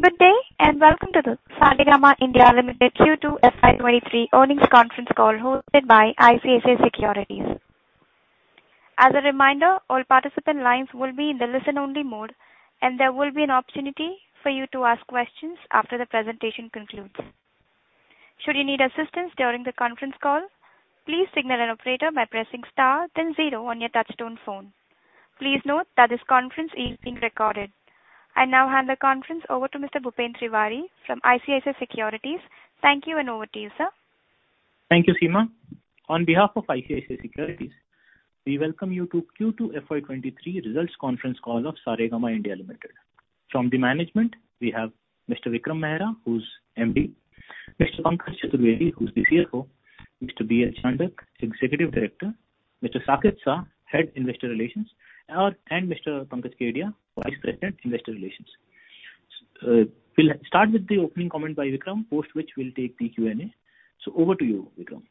Good day, and welcome to the Saregama India Limited Q2 FY23 earnings conference call hosted by ICICI Securities. As a reminder, all participant lines will be in the listen-only mode, and there will be an opportunity for you to ask questions after the presentation concludes. Should you need assistance during the conference call, please signal an operator by pressing star then zero on your touchtone phone. Please note that this conference is being recorded. I now hand the conference over to Mr. Bhupendra Tiwary from ICICI Securities. Thank you, and over to you, sir. Thank you, Seema. On behalf of ICICI Securities, we welcome you to Q2 FY23 results conference call of Saregama India Limited. From the management, we have Mr. Vikram Mehra, who's MD, Mr. Pankaj Chaturvedi, who's the CFO, Mr. B.L. Chandak, Executive Director, Mr. Saket Shah, Head, Investor Relations, and Mr. Pankaj Kedia, Vice President, Investor Relations. We'll start with the opening comment by Vikram, post which we'll take the Q&A. Over to you, Vikram.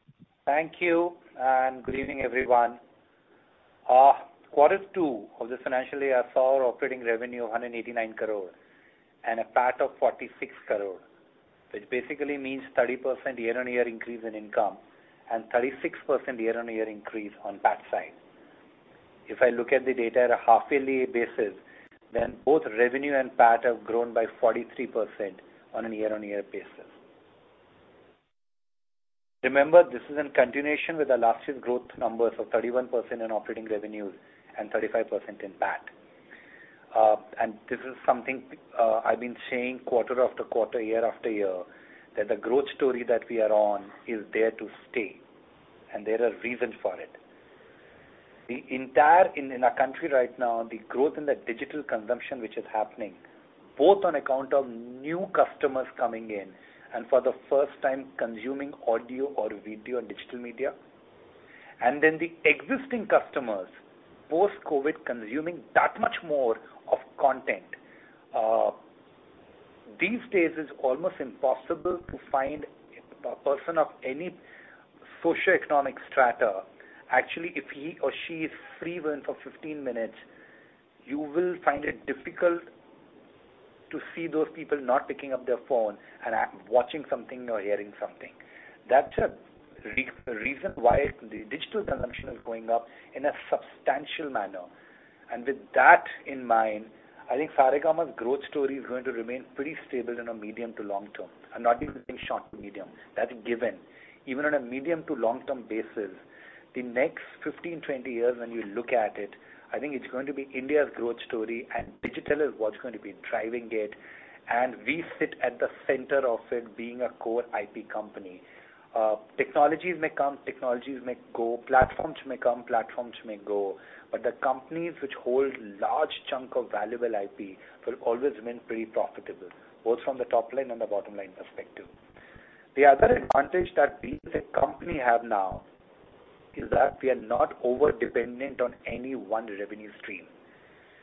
Thank you, and good evening, everyone. Quarter two of this financial year saw our operating revenue 189 crore and a PAT of 46 crore, which basically means 30% year-on-year increase in income and 36% year-on-year increase on PAT side. If I look at the data at a half yearly basis, then both revenue and PAT have grown by 43% on a year-on-year basis. Remember, this is in continuation with our last year's growth numbers of 31% in operating revenues and 35% in PAT. This is something, I've been saying quarter after quarter, year after year, that the growth story that we are on is there to stay, and there are reasons for it. The entire. In our country right now, the growth in the digital consumption which is happening, both on account of new customers coming in and for the first time consuming audio or video and digital media, and then the existing customers, post-COVID, consuming that much more of content. These days it's almost impossible to find a person of any socioeconomic strata. Actually, if he or she is free even for 15 minutes, you will find it difficult to see those people not picking up their phone and watching something or hearing something. That's a reason why the digital consumption is going up in a substantial manner. With that in mind, I think Saregama's growth story is going to remain pretty stable in a medium to long term. I'm not even saying short to medium. That's a given. Even on a medium to long term basis, the next 15, 20 years when you look at it, I think it's going to be India's growth story, and digital is what's going to be driving it, and we sit at the center of it being a core IP company. Technologies may come, technologies may go. Platforms may come, platforms may go. But the companies which hold large chunk of valuable IP will always remain pretty profitable, both from the top line and the bottom line perspective. The other advantage that we as a company have now is that we are not overdependent on any one revenue stream.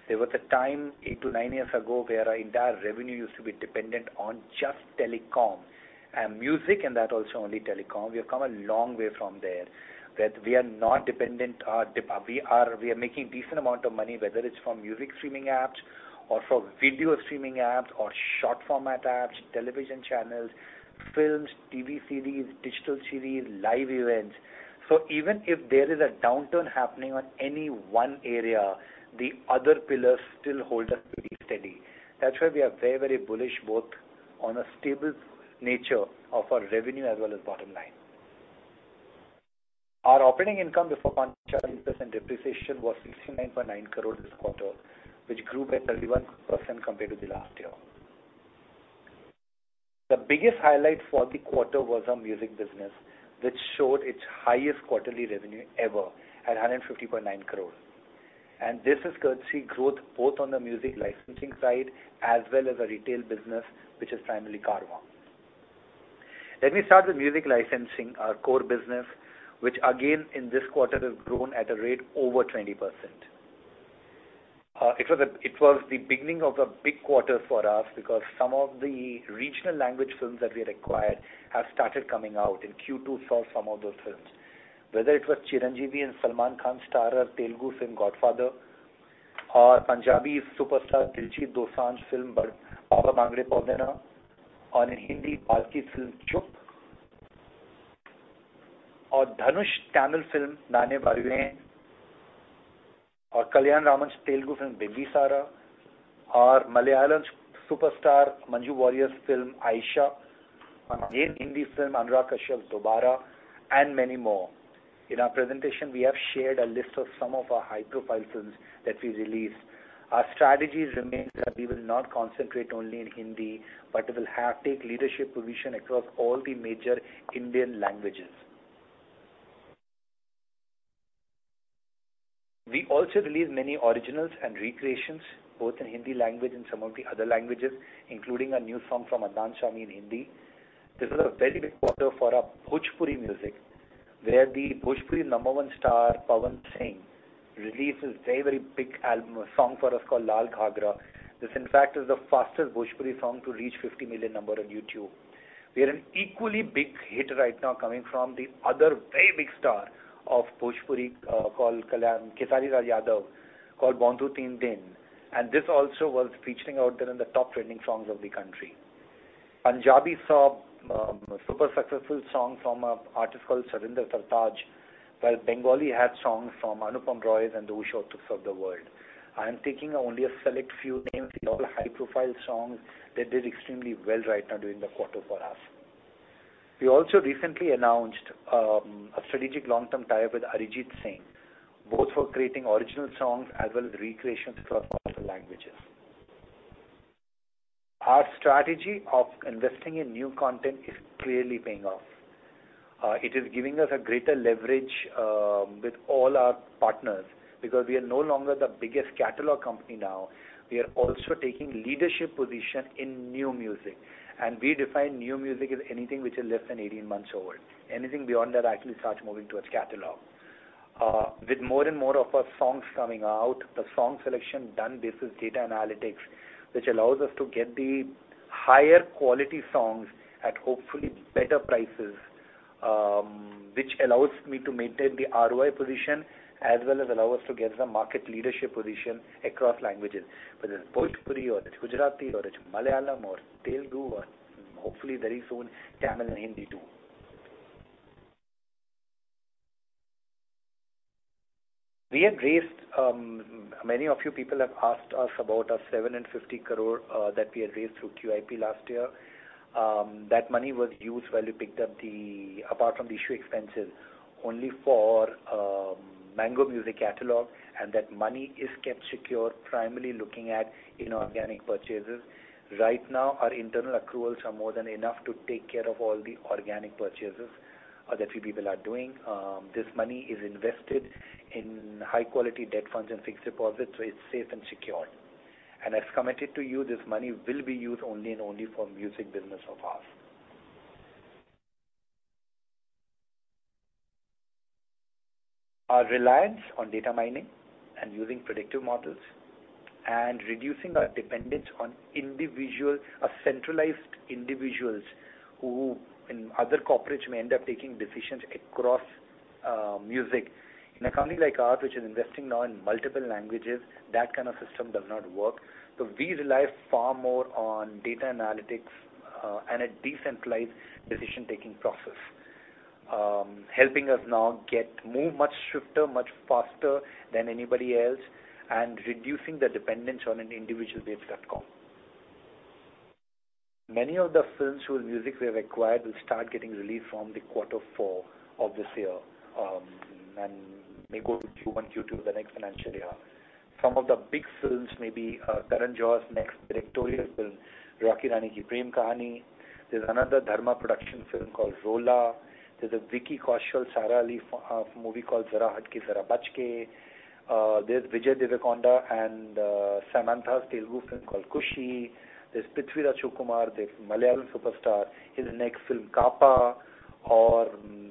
There was a time eight to nine years ago where our entire revenue used to be dependent on just telecom, music and that also only telecom. We have come a long way from there, that we are not dependent... We are making a decent amount of money, whether it's from music streaming apps or from video streaming apps or short format apps, television channels, films, TV series, digital series, live events. Even if there is a downturn happening on any one area, the other pillars still hold us pretty steady. That's why we are very, very bullish both on a stable nature of our revenue as well as bottom line. Our operating income before non-cash items, interest, and depreciation was 69.9 crore this quarter, which grew by 31% compared to the last year. The biggest highlight for the quarter was our music business, which showed its highest quarterly revenue ever at 150.9 crore. This is courtesy growth both on the music licensing side as well as our retail business, which is primarily Carvaan. Let me start with music licensing, our core business, which again in this quarter has grown at a rate over 20%. It was the beginning of a big quarter for us because some of the regional language films that we had acquired have started coming out, and Q2 saw some of those films. Whether it was Chiranjeevi and Salman Khan starrer Telugu film Godfather or Punjabi superstar Diljit Dosanjh film, Babe Bhangra Paunde Ne, or in Hindi, Balki's film Chup, or Dhanush Tamil film, Naane Varuvean, or Kalyan Ram's Telugu film, Bimbisara, or Malayalam superstar Manju Warrier's film, Ayisha, again Hindi film Anurag Kashyap's Dobaaraa, and many more. In our presentation, we have shared a list of some of our high-profile films that we released. Our strategy remains that we will not concentrate only in Hindi, but we will have take leadership position across all the major Indian languages. We also released many originals and recreations both in Hindi language and some of the other languages, including a new song from Anand Raaj Anand in Hindi. This is a very big quarter for our Bhojpuri music, where the Bhojpuri number one star, Pawan Singh, released his very, very big album or song for us called Laal Ghaghra. This, in fact, is the fastest Bhojpuri song to reach 50 million number on YouTube. We had an equally big hit right now coming from the other very big star of Bhojpuri, called Khesari Lal Yadav, called Bandhu Teen Dein, and this also was featuring out there in the top trending songs of the country. Punjabi, we saw a super successful song from an artist called Satinder Sartaaj, while Bengali had songs from Anupam Roy and the Ushos of the world. I am taking only a select few names. These are all high-profile songs that did extremely well right now during the quarter for us. We also recently announced a strategic long-term tie-up with Arijit Singh, both for creating original songs as well as recreations across multiple languages. Our strategy of investing in new content is clearly paying off. It is giving us a greater leverage with all our partners because we are no longer the biggest catalog company now. We are also taking leadership position in new music, and we define new music as anything which is less than eighteen months old. Anything beyond that actually starts moving towards catalog. With more and more of our songs coming out, the song selection done based on data analytics, which allows us to get the higher quality songs at hopefully better prices, which allows me to maintain the ROI position as well as allow us to get the market leadership position across languages, whether it's Bhojpuri or it's Gujarati or it's Malayalam or Telugu or hopefully very soon, Tamil and Hindi too. Many of you people have asked us about our 750 crore that we had raised through QIP last year. That money was used, apart from the issue expenses, only for Mango Music catalog, and that money is kept secure primarily looking at inorganic purchases. Right now, our internal accruals are more than enough to take care of all the organic purchases that we people are doing. This money is invested in high quality debt funds and fixed deposits, so it's safe and secure. As committed to you, this money will be used only and only for music business of ours. Our reliance on data mining and using predictive models and reducing our dependence on individual or centralized individuals who in other corporates may end up taking decisions across music. In a company like ours, which is investing now in multiple languages, that kind of system does not work. We rely far more on data analytics and a decentralized decision-making process, helping us now move much swifter, much faster than anybody else and reducing the dependence on an individual based outcome. Many of the films whose music we have acquired will start getting released from the quarter four of this year, and may go to Q1, Q2 the next financial year. Some of the big films may be Karan Johar's next directorial film, Rocky Aur Rani Kii Prem Kahaani. There's another Dharma Productions film called Rohla. There's a Vicky Kaushal-Sara Ali Khan movie called Zara Hatke Zara Bachke. There's Vijay Deverakonda and Samantha's Telugu film called Kushi. There's Prithviraj Sukumaran, the Malayalam superstar, his next film, Kaapa, or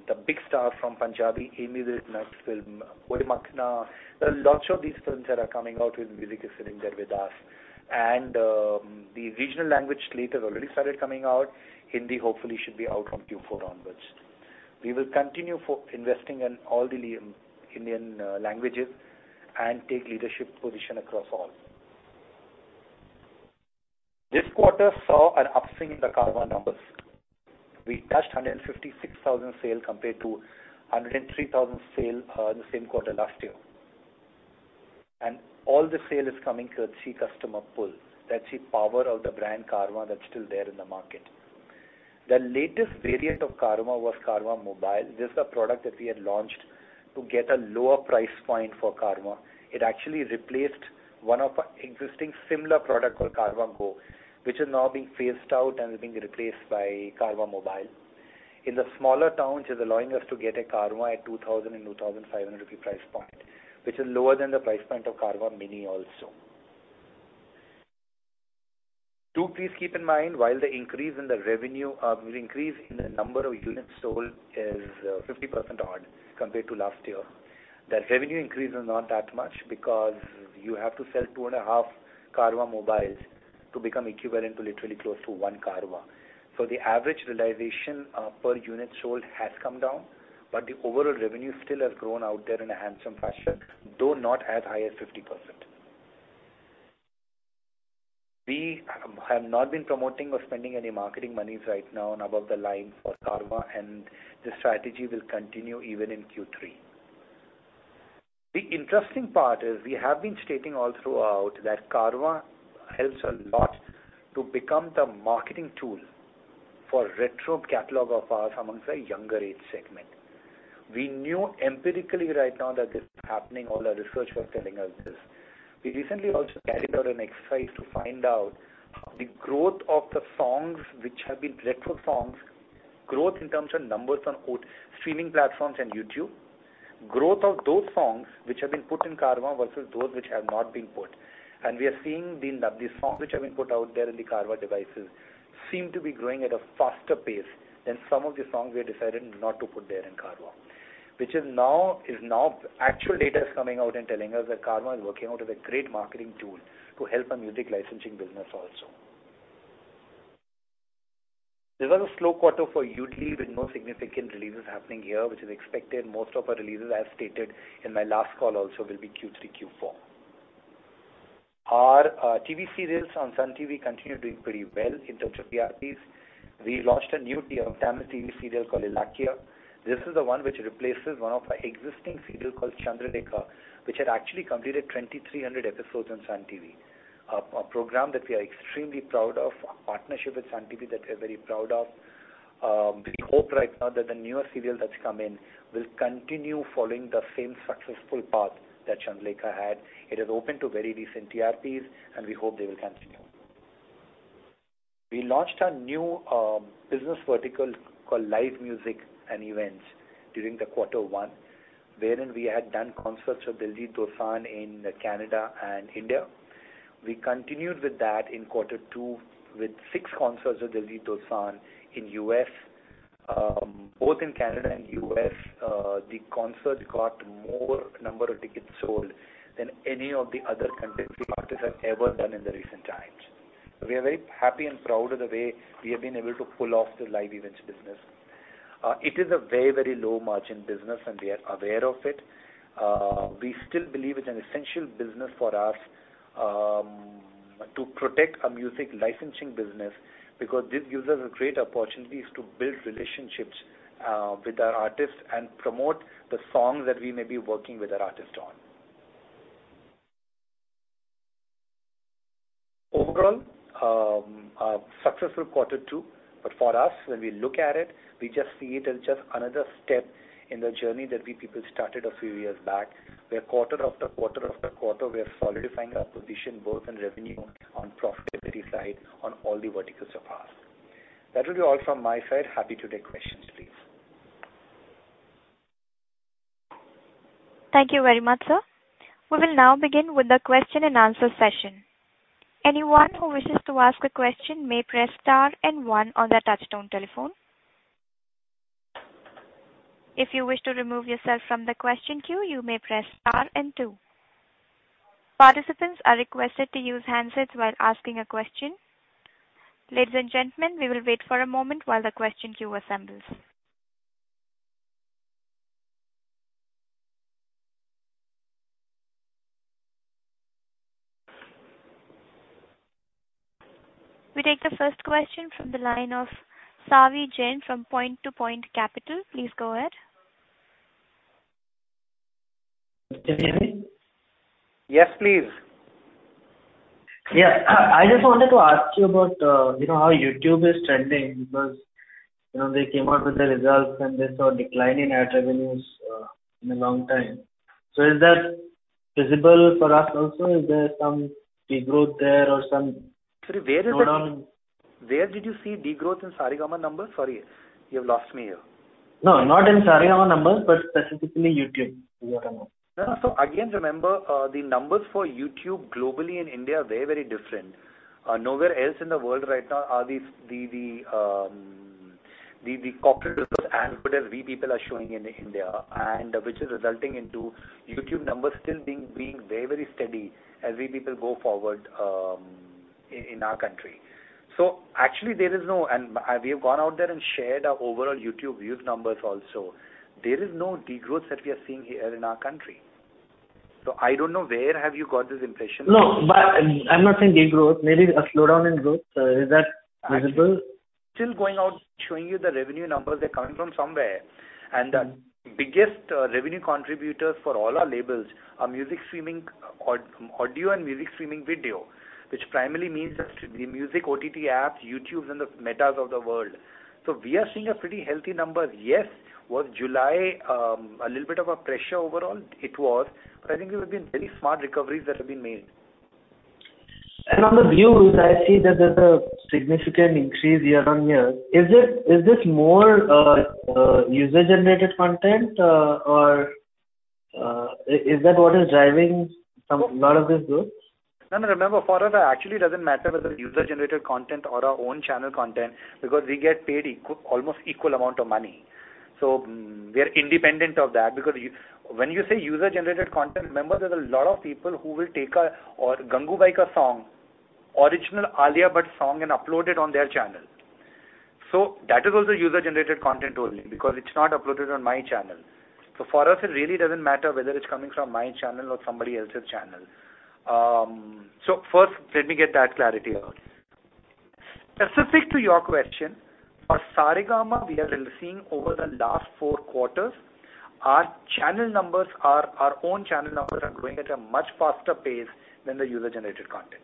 the big star from Punjabi, Ammy Virk's next film, Oye Makhna. There are lots of these films that are coming out with music is sitting there with us. The regional language slate has already started coming out. Hindi hopefully should be out from Q4 onwards. We will continue investing in all the languages and take leadership position across all. This quarter saw an upswing in the Carvaan numbers. We touched 156,000 sales compared to 103,000 sales in the same quarter last year. All the sales are coming through our customer pull. That's the power of the brand Carvaan that's still there in the market. The latest variant of Carvaan was Carvaan Mobile. This is a product that we had launched to get a lower price point for Carvaan. It actually replaced one of our existing similar product called Carvaan Go, which is now being phased out and is being replaced by Carvaan Mobile. In the smaller towns, it's allowing us to get a Carvaan at 2,000 and 2,500 rupee price point, which is lower than the price point of Carvaan Mini also. Please keep in mind while the increase in the revenue, the increase in the number of units sold is 50% odd compared to last year, the revenue increase is not that much because you have to sell 2.5 Carvaan Mobiles to become equivalent to literally close to one Carvaan. The average realization per unit sold has come down, but the overall revenue still has grown out there in a handsome fashion, though not as high as 50%. We have not been promoting or spending any marketing monies right now and above the line for Carvaan, and this strategy will continue even in Q3. The interesting part is we have been stating all throughout that Carvaan helps a lot to become the marketing tool for retro catalog of ours among the younger age segment. We knew empirically right now that this is happening, all the research was telling us this. We recently also carried out an exercise to find out how the growth of the songs which have been retro songs, growth in terms of numbers on both streaming platforms and YouTube, growth of those songs which have been put in Carvaan versus those which have not been put. We are seeing the songs which have been put out there in the Carvaan devices seem to be growing at a faster pace than some of the songs we have decided not to put there in Carvaan. Actual data is coming out and telling us that Carvaan is working out as a great marketing tool to help our music licensing business also. It was a slow quarter for Yoodlee, with no significant releases happening here, which is expected. Most of our releases, as stated in my last call also, will be Q3, Q4. Our TV series on Sun TV continue doing pretty well in terms of TRPs. We launched a new Tamil TV serial called Ilakkiya. This is the one which replaces one of our existing serial called Chandralekha, which had actually completed 2,300 episodes on Sun TV. A, a program that we are extremely proud of, a partnership with Sun TV that we're very proud of. We hope right now that the newer serial that's come in will continue following the same successful path that Chandralekha had. It has opened to very decent TRPs, and we hope they will continue. We launched our new business vertical called Live Music and Events during the quarter one, wherein we had done concerts with Daler Mehndi in Canada and India. We continued with that in quarter two with six concerts with Daler Mehndi in U.S. Both in Canada and U.S., the concerts got more number of tickets sold than any of the other country artists have ever done in the recent times. We are very happy and proud of the way we have been able to pull off the live events business. It is a very, very low margin business, and we are aware of it. We still believe it's an essential business for us, to protect our music licensing business because this gives us a great opportunities to build relationships, with our artists and promote the songs that we may be working with our artist on. Overall, a successful quarter two, but for us, when we look at it, we just see it as just another step in the journey that we people started a few years back, where quarter after quarter after quarter, we are solidifying our position both in revenue, on profitability side, on all the verticals of ours. That will be all from my side. Happy to take questions, please. Thank you very much, sir. We will now begin with the question and answer session. Anyone who wishes to ask a question may press star and one on their touchtone telephone. If you wish to remove yourself from the question queue, you may press star and two. Participants are requested to use handsets while asking a question. Ladies and gentlemen, we will wait for a moment while the question queue assembles. We take the first question from the line of Savi Jain from 2Point2 Capital. Please go ahead. Can you hear me? Yes, please. Yeah. I just wanted to ask you about, you know, how YouTube is trending because, you know, they came out with the results, and they saw a decline in ad revenues in a long time. Is that visible for us also? Is there some degrowth there or some- Sorry, where is it. -slowdown? Where did you see degrowth in Saregama numbers? Sorry, you have lost me here. No, not in Saregama numbers, but specifically YouTube. No, no. Again, remember, the numbers for YouTube globally in India are very, very different. Nowhere else in the world right now are these corporate results as good as we people are showing in India, and which is resulting into YouTube numbers still being very, very steady as we people go forward, in our country. We have gone out there and shared our overall YouTube views numbers also. There is no degrowth that we are seeing here in our country. I don't know where have you got this impression. No, but I'm not saying degrowth. Maybe a slowdown in growth. Is that visible? Still going out showing you the revenue numbers, they're coming from somewhere. The biggest revenue contributors for all our labels are music streaming audio and music streaming video, which primarily means that the music OTT apps, YouTube and the Meta of the world. We are seeing pretty healthy numbers. Yes, July was a little bit of a pressure overall? It was. I think there have been very smart recoveries that have been made. On the views, I see that there's a significant increase year-on-year. Is this more user-generated content, or is that what is driving lot of this growth? No, no, remember, for us, it actually doesn't matter whether user-generated content or our own channel content, because we get paid almost equal amount of money. We are independent of that because you, when you say user-generated content, remember, there's a lot of people who will take a, or Gangubai's song, original Alia Bhatt song, and upload it on their channel. That is also user-generated content only because it's not uploaded on my channel. For us, it really doesn't matter whether it's coming from my channel or somebody else's channel. First, let me get that clarity out. Specific to your question, for Saregama, we are seeing over the last four quarters, our own channel numbers are growing at a much faster pace than the user-generated content.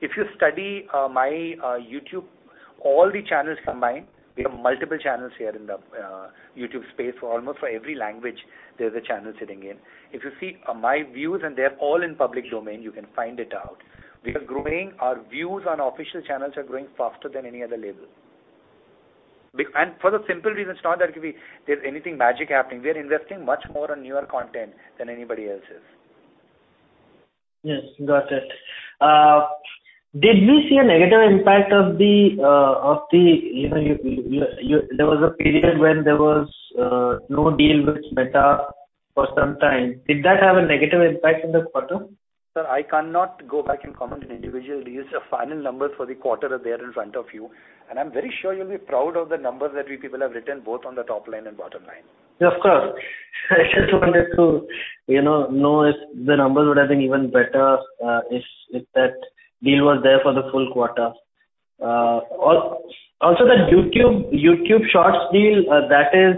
If you study my YouTube, all the channels combined, we have multiple channels here in the YouTube space. For almost every language, there's a channel sitting in. If you see my views, and they're all in public domain, you can find it out. We are growing. Our views on official channels are growing faster than any other label. For the simple reason, it's not that there's anything magic happening. We are investing much more on newer content than anybody else is. Yes, got it. Did we see a negative impact of the, you know, there was a period when there was no deal with Meta for some time? Did that have a negative impact in this quarter? Sir, I cannot go back and comment on individual deals. The final numbers for the quarter are there in front of you, and I'm very sure you'll be proud of the numbers that we people have written both on the top line and bottom line. Yeah, of course. I just wanted to, you know if the numbers would have been even better if that deal was there for the full quarter. Also the YouTube Shorts deal that is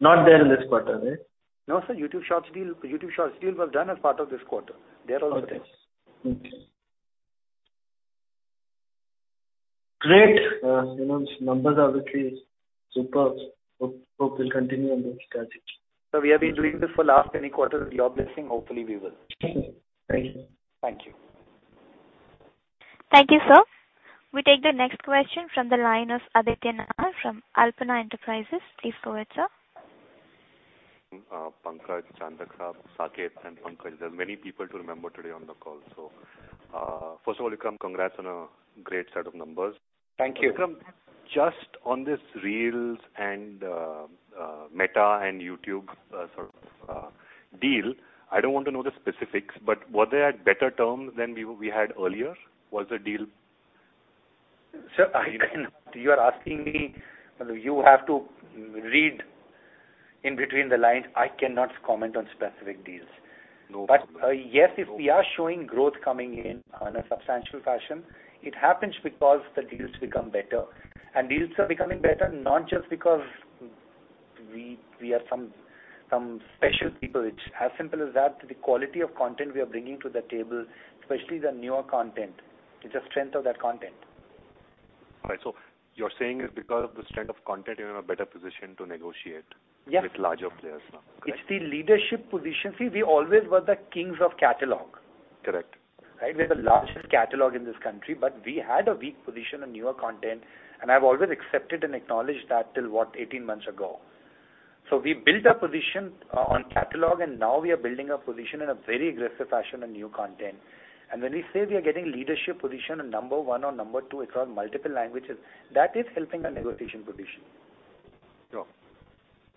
not there in this quarter, right? No, sir. YouTube Shorts deal was done as part of this quarter. They are also there. Okay. Great. You know, numbers are looking superb. Hope will continue on this strategy. Sir, we have been doing this for last many quarters with your blessing. Hopefully we will. Thank you. Thank you. Thank you. Thank you, sir. We take the next question from the line of Aditya Narain from Edelweiss Securities. Please go ahead, sir. Pankaj, Chandrakant, Saket, and Pankaj, there are many people to remember today on the call. First of all, Vikram, congrats on a great set of numbers. Thank you. Vikram, just on this Reels and Meta and YouTube sort of deal, I don't want to know the specifics, but were they at better terms than we had earlier? Was the deal Sir, you are asking me. You have to read in between the lines. I cannot comment on specific deals. No. Yes, if we are showing growth coming in on a substantial fashion, it happens because the deals become better. Deals are becoming better not just because we are some special people. It's as simple as that. The quality of content we are bringing to the table, especially the newer content. It's the strength of that content. All right. You're saying it's because of the strength of content you're in a better position to negotiate. Yeah. With larger players now. Okay. It's the leadership position. See, we always were the kings of catalog. Correct. Right? We are the largest catalog in this country, but we had a weak position on newer content, and I've always accepted and acknowledged that till, what? 18 months ago. We built our position on catalog, and now we are building our position in a very aggressive fashion on new content. When we say we are getting leadership position on number one or number two across multiple languages, that is helping our negotiation position. Sure.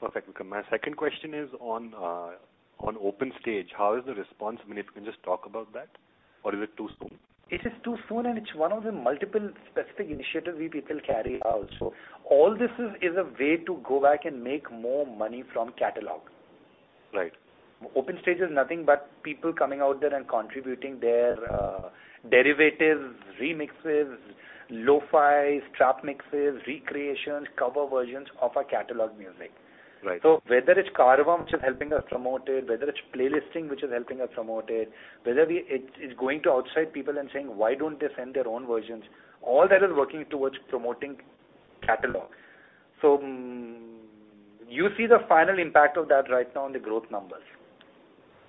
Perfect, Vikram Mehra. My second question is on Saregama Openstage. How is the response? I mean, if you can just talk about that or is it too soon? It is too soon, and it's one of the multiple specific initiatives we people carry out. All this is a way to go back and make more money from catalog. Right. Saregama Openstage is nothing but people coming out there and contributing their derivatives, remixes, lo-fi, trap mixes, recreations, cover versions of our catalog music. Right. Whether it's Carvaan which is helping us promote it, whether it's playlisting which is helping us promote it, whether it's going to outside people and saying, why don't they send their own versions? All that is working towards promoting catalog. You see the final impact of that right now on the growth numbers.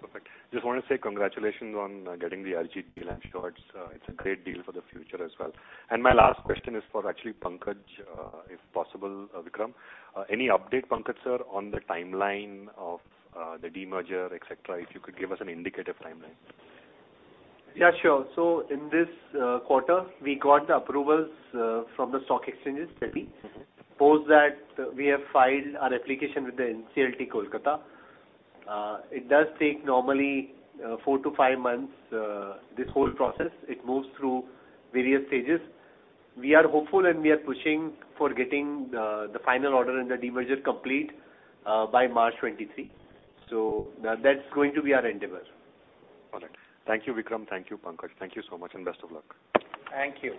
Perfect. Just want to say congratulations on getting the RG deal. I'm sure it's a great deal for the future as well. My last question is for actually Pankaj, if possible, Vikram. Any update, Pankaj sir, on the timeline of the demerger, et cetera? If you could give us an indicative timeline. Yeah, sure. In this quarter, we got the approvals from the stock exchanges, SEBI. Post that, we have filed our application with the NCLT Kolkata. It does take normally four to five months this whole process. It moves through various stages. We are hopeful, and we are pushing for getting the final order and the demerger complete by March 2023. That's going to be our endeavor. All right. Thank you, Vikram. Thank you, Pankaj. Thank you so much and best of luck. Thank you.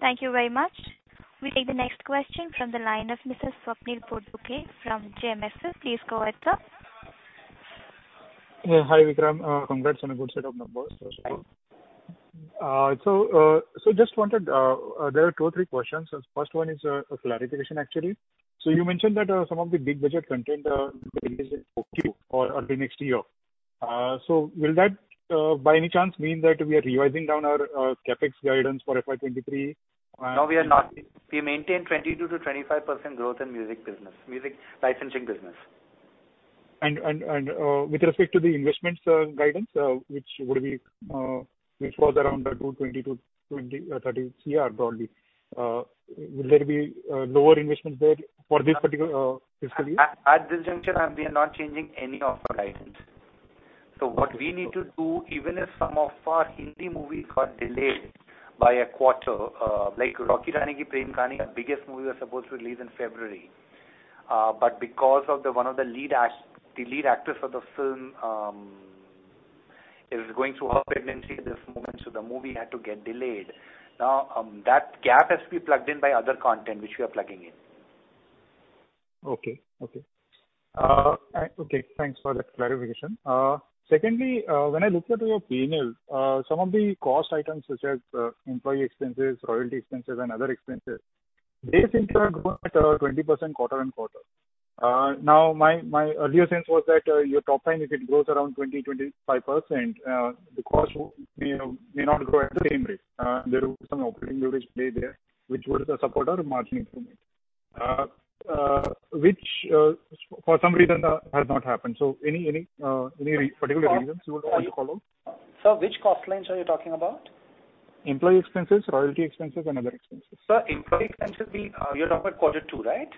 Thank you very much. We take the next question from the line of Mrs. Swapnil Potdukhe from JM Financial. Please go ahead, sir. Yeah. Hi, Vikram. Congrats on a good set of numbers first of all. Thank you. Just wanted there are two, three questions. First one is a clarification, actually. You mentioned that some of the big budget content in 4Q or early next year. Will that by any chance mean that we are revising down our CapEx guidance for FY 2023? No, we are not. We maintain 22%-25% growth in music business, music licensing business. With respect to the investments guidance, which was around 220 CR-INR 230 CR probably, will there be lower investments there for this particular fiscal year? At this juncture, we are not changing any of our guidance. What we need to do, even if some of our Hindi movies got delayed by a quarter, like Rocky Aur Rani Kii Prem Kahaani, our biggest movie was supposed to release in February. Because of the lead actress of the film is going through her pregnancy at this moment, so the movie had to get delayed. Now, that gap has to be plugged in by other content, which we are plugging in. Okay, thanks for that clarification. Secondly, when I looked at your P&L, some of the cost items such as employee expenses, royalty expenses and other expenses, they seem to have grown at 20% quarter-on-quarter. Now, my earlier sense was that your top line, if it grows around 20-25%, the cost may not grow at the same rate. There will be some operating leverage play there, which would support our margin improvement, which, for some reason, has not happened. Any particular reasons you would want to call out? Sir, which cost lines are you talking about? Employee expenses, royalty expenses, and other expenses. Sir, employee expenses? You're talking quarter two, right?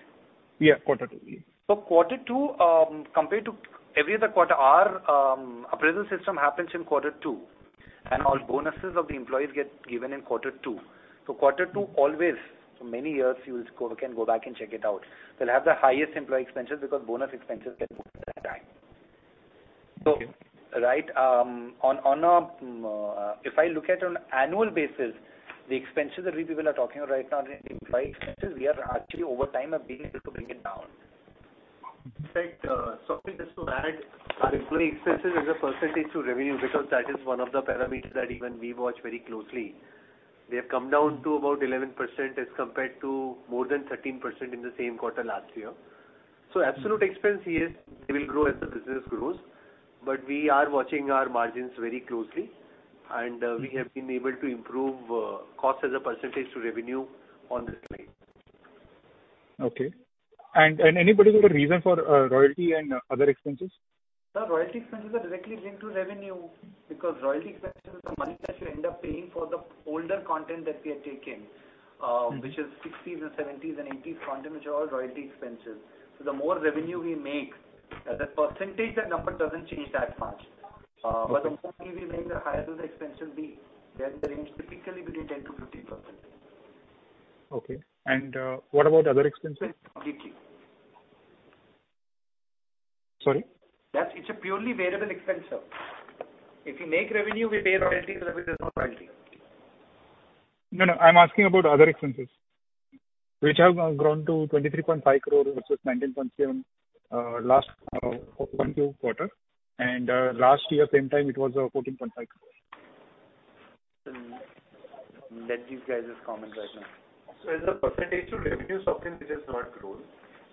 Yeah. Quarter two. Yeah. Quarter two, compared to every other quarter, our appraisal system happens in quarter two, and all bonuses of the employees get given in quarter two. Quarter two always, for many years, you can go back and check it out. We'll have the highest employee expenses because bonus expenses get given at that time. Okay. If I look at it on an annual basis, the expenses that people are talking about right now, the employee expenses, we are actually over time being able to bring it down. In fact, something just to add, our employee expenses as a percentage to revenue, because that is one of the parameters that even we watch very closely. They have come down to about 11% as compared to more than 13% in the same quarter last year. Absolute expense, yes, they will grow as the business grows. We are watching our margins very closely, and we have been able to improve cost as a percentage to revenue on this line. Okay. Any particular reason for royalty and other expenses? The royalty expenses are directly linked to revenue because royalty expense is the money that you end up paying for the older content that we are taking. Mm-hmm. which is sixties and seventies and eighties content, which are all royalty expenses. The more revenue we make, the percentage, the number doesn't change that much. Okay. The more money we make, the higher those expenses will be. They are in the range typically between 10%-15%. Okay. What about other expenses? Completely. Sorry? It's a purely variable expense, sir. If we make revenue, we pay royalty. If there's no revenue, there's no royalty. No, no, I'm asking about other expenses, which have grown to 23.5 crore versus 19.7 crore last one full quarter. Last year same time it was 14.5 crore. Let these guys comment right now. As a percentage to revenue, Swapnil, it has not grown.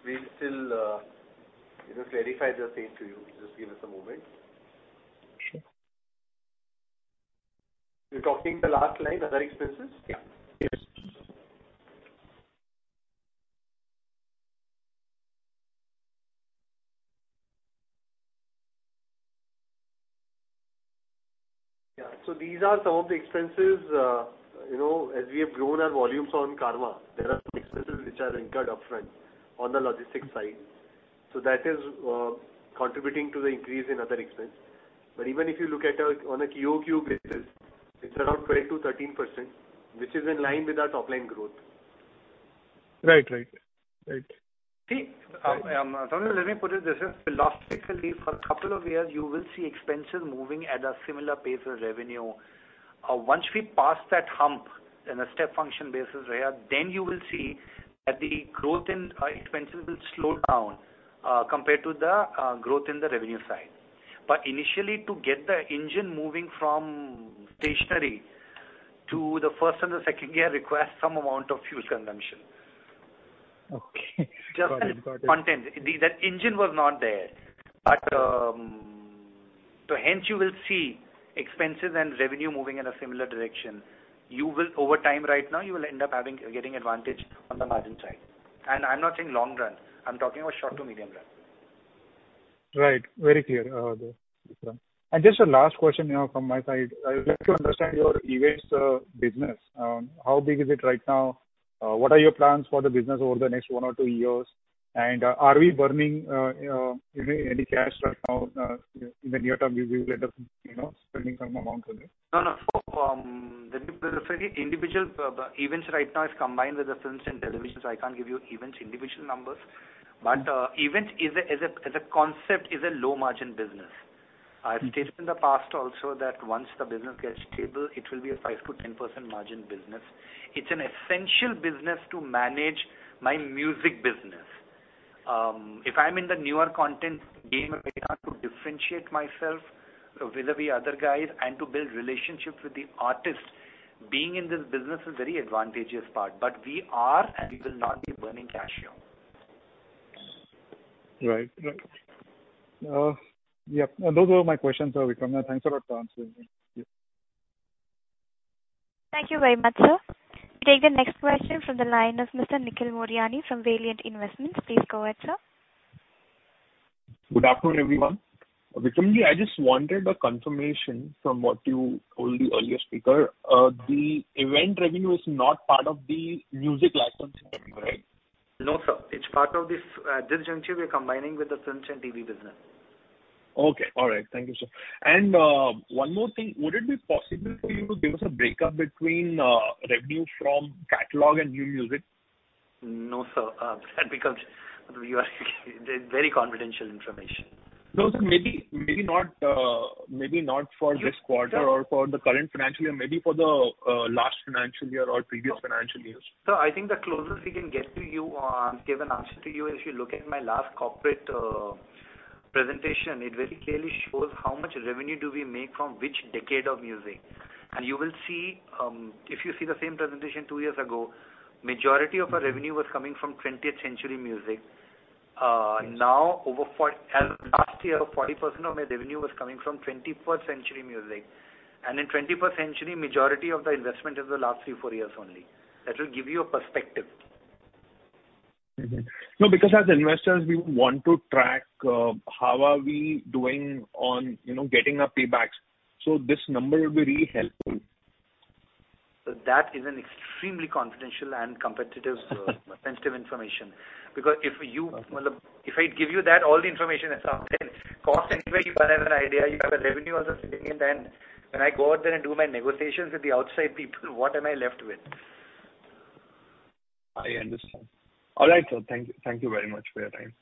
We still let us clarify the same to you. Just give us a moment. Sure. You're talking the last line, other expenses? Yeah. Yes. Yeah. These are some of the expenses, you know, as we have grown our volumes on Karma, there are some expenses which are incurred upfront on the logistics side. That is contributing to the increase in other expense. Even if you look at on a QOQ basis, it's around 12%-13%, which is in line with our top line growth. Right. See, Swapnil, let me put it this way. Philosophically, for a couple of years, you will see expenses moving at a similar pace as revenue. Once we pass that hump in a step function basis, where then you will see that the growth in expenses will slow down, compared to the growth in the revenue side. Initially, to get the engine moving from stationary to the first and the second gear requires some amount of fuel consumption. Okay. Got it. Just as content. That engine was not there. Hence you will see expenses and revenue moving in a similar direction. You will over time, right now, you will end up getting advantage on the margin side. I'm not saying long run, I'm talking about short to medium run. Right. Very clear. Just a last question, you know, from my side. I would like to understand your events business. How big is it right now? What are your plans for the business over the next one or two years? Are we burning, you know, any cash right now, in the near term we will end up, you know, spending some amount on this? No, the individual events right now is combined with the films and television, so I can't give you events individual numbers. Events is a concept, is a low margin business. I've stated in the past also that once the business gets stable, it will be a 5%-10% margin business. It's an essential business to manage my music business. If I'm in the newer content game right now, to differentiate myself vis-a-vis other guys and to build relationships with the artists, being in this business is very advantageous part. We are and we will not be burning cash here. Right. Yep. Those were my questions, Sir Vikram. Thanks a lot for answering. Yeah. Thank you very much, sir. We take the next question from the line of Mr. Nikhil Modiyani from Valiant Investments. Please go ahead, sir. Good afternoon, everyone. Vikram Ji, I just wanted a confirmation from what you told the earlier speaker. The event revenue is not part of the music licensing revenue, right? No, sir. It's part of this juncture we're combining with the films and TV business. Okay. All right. Thank you, sir. One more thing. Would it be possible for you to give us a break-up between revenue from catalog and new music? No, sir. That becomes very confidential information. No, sir. Maybe not for this quarter. Yes, sure. for the current financial year, maybe for the last financial year or previous financial years. Sir, I think the closest we can get to you on giving an answer to you, if you look at my last corporate presentation, it very clearly shows how much revenue do we make from which decade of music. You will see, if you see the same presentation two years ago, majority of our revenue was coming from 20th century music. Now, as last year, 40% of my revenue was coming from 21st century music. In 21st century, majority of the investment is the last three, four years only. That will give you a perspective. Mm-hmm. No, because as investors, we want to track how are we doing on, you know, getting our paybacks. This number will be really helpful. That is an extremely confidential and competitively sensitive information. Because if I give you that, all the information and the cost anyway, you can have an idea, you have a revenue also sitting in, then when I go out there and do my negotiations with the outside people, what am I left with? I understand. All right, sir. Thank you, thank you very much for your time.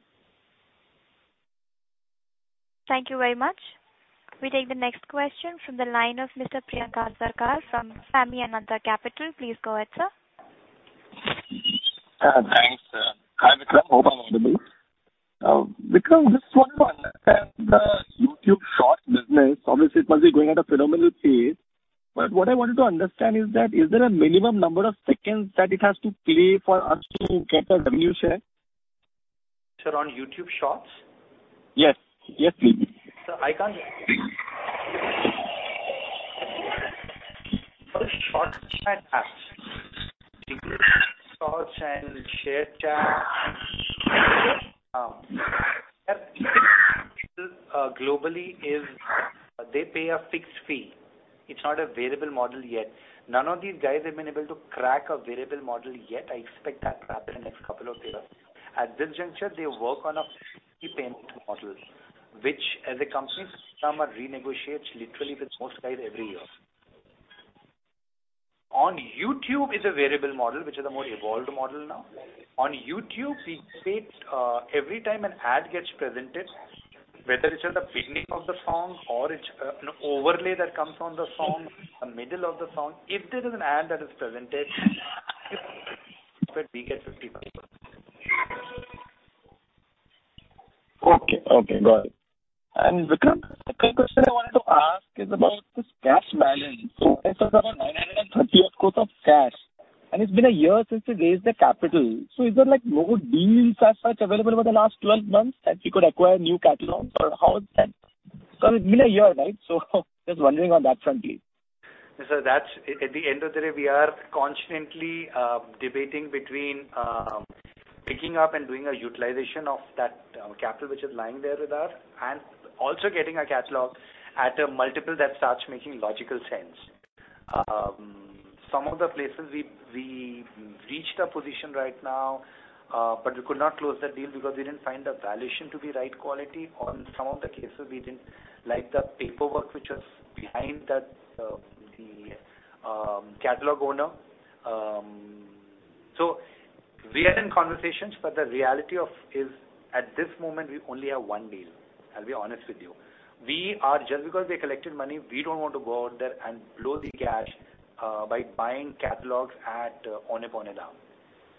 Thank you very much. We take the next question from the line of Mr. Priyanka Sarkar from Family Ananta Capital. Please go ahead, sir. Thanks. Hi, Vikram. Hope I'm audible. Vikram, just one on the YouTube Shorts business. Obviously, it must be growing at a phenomenal pace. What I wanted to understand is that is there a minimum number of seconds that it has to play for us to get a revenue share? Sir, on YouTube Shorts? Yes. Yes, please. For short-form apps, YouTube Shorts and ShareChat, globally they pay a fixed fee. It's not a variable model yet. None of these guys have been able to crack a variable model yet. I expect that to happen in the next couple of years. At this juncture, they work on a payment model, which as a content owner renegotiates literally with most guys every year. On YouTube, it's a variable model, which is a more evolved model now. On YouTube, every time an ad gets presented, whether it's at the beginning of the song or it's an overlay that comes on the song, the middle of the song, if there is an ad that is presented we get 50%. Okay. Okay, got it. Vikram, the second question I wanted to ask is about this cash balance. It's about 930 crores of cash, and it's been a year since you raised the capital. Is there like more deals as such available over the last 12 months that you could acquire new catalogs or how is that? It's been a year, right? Just wondering on that front, please. That's it at the end of the day, we are constantly debating between picking up and doing a utilization of that capital which is lying there with us and also getting a catalog at a multiple that starts making logical sense. Some of the places we reached a position right now, but we could not close the deal because we didn't find the valuation to be right quality. In some of the cases, we didn't like the paperwork, which was behind that, the catalog owner. We are in conversations, but the reality is at this moment, we only have one deal. I'll be honest with you. Just because we collected money, we don't want to go out there and blow the cash by buying catalogs at arm's length.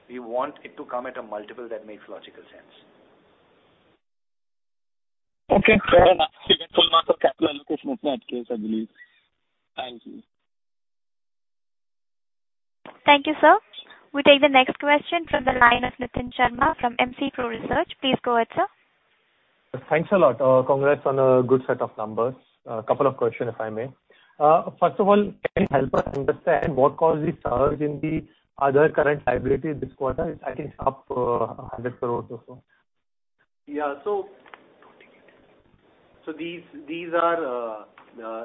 We want it to come at a multiple that makes logical sense. Okay. Fair enough. Full marks on capital allocation in that case, I believe. Thank you. Thank you, sir. We take the next question from the line of Nitin Sharma from MC Pro Research. Please go ahead, sir. Thanks a lot. Congrats on a good set of numbers. A couple of questions, if I may. First of all, can you help us understand what caused the surge in the other current liability this quarter? It's I think up 100 crore or so. Yeah, these are,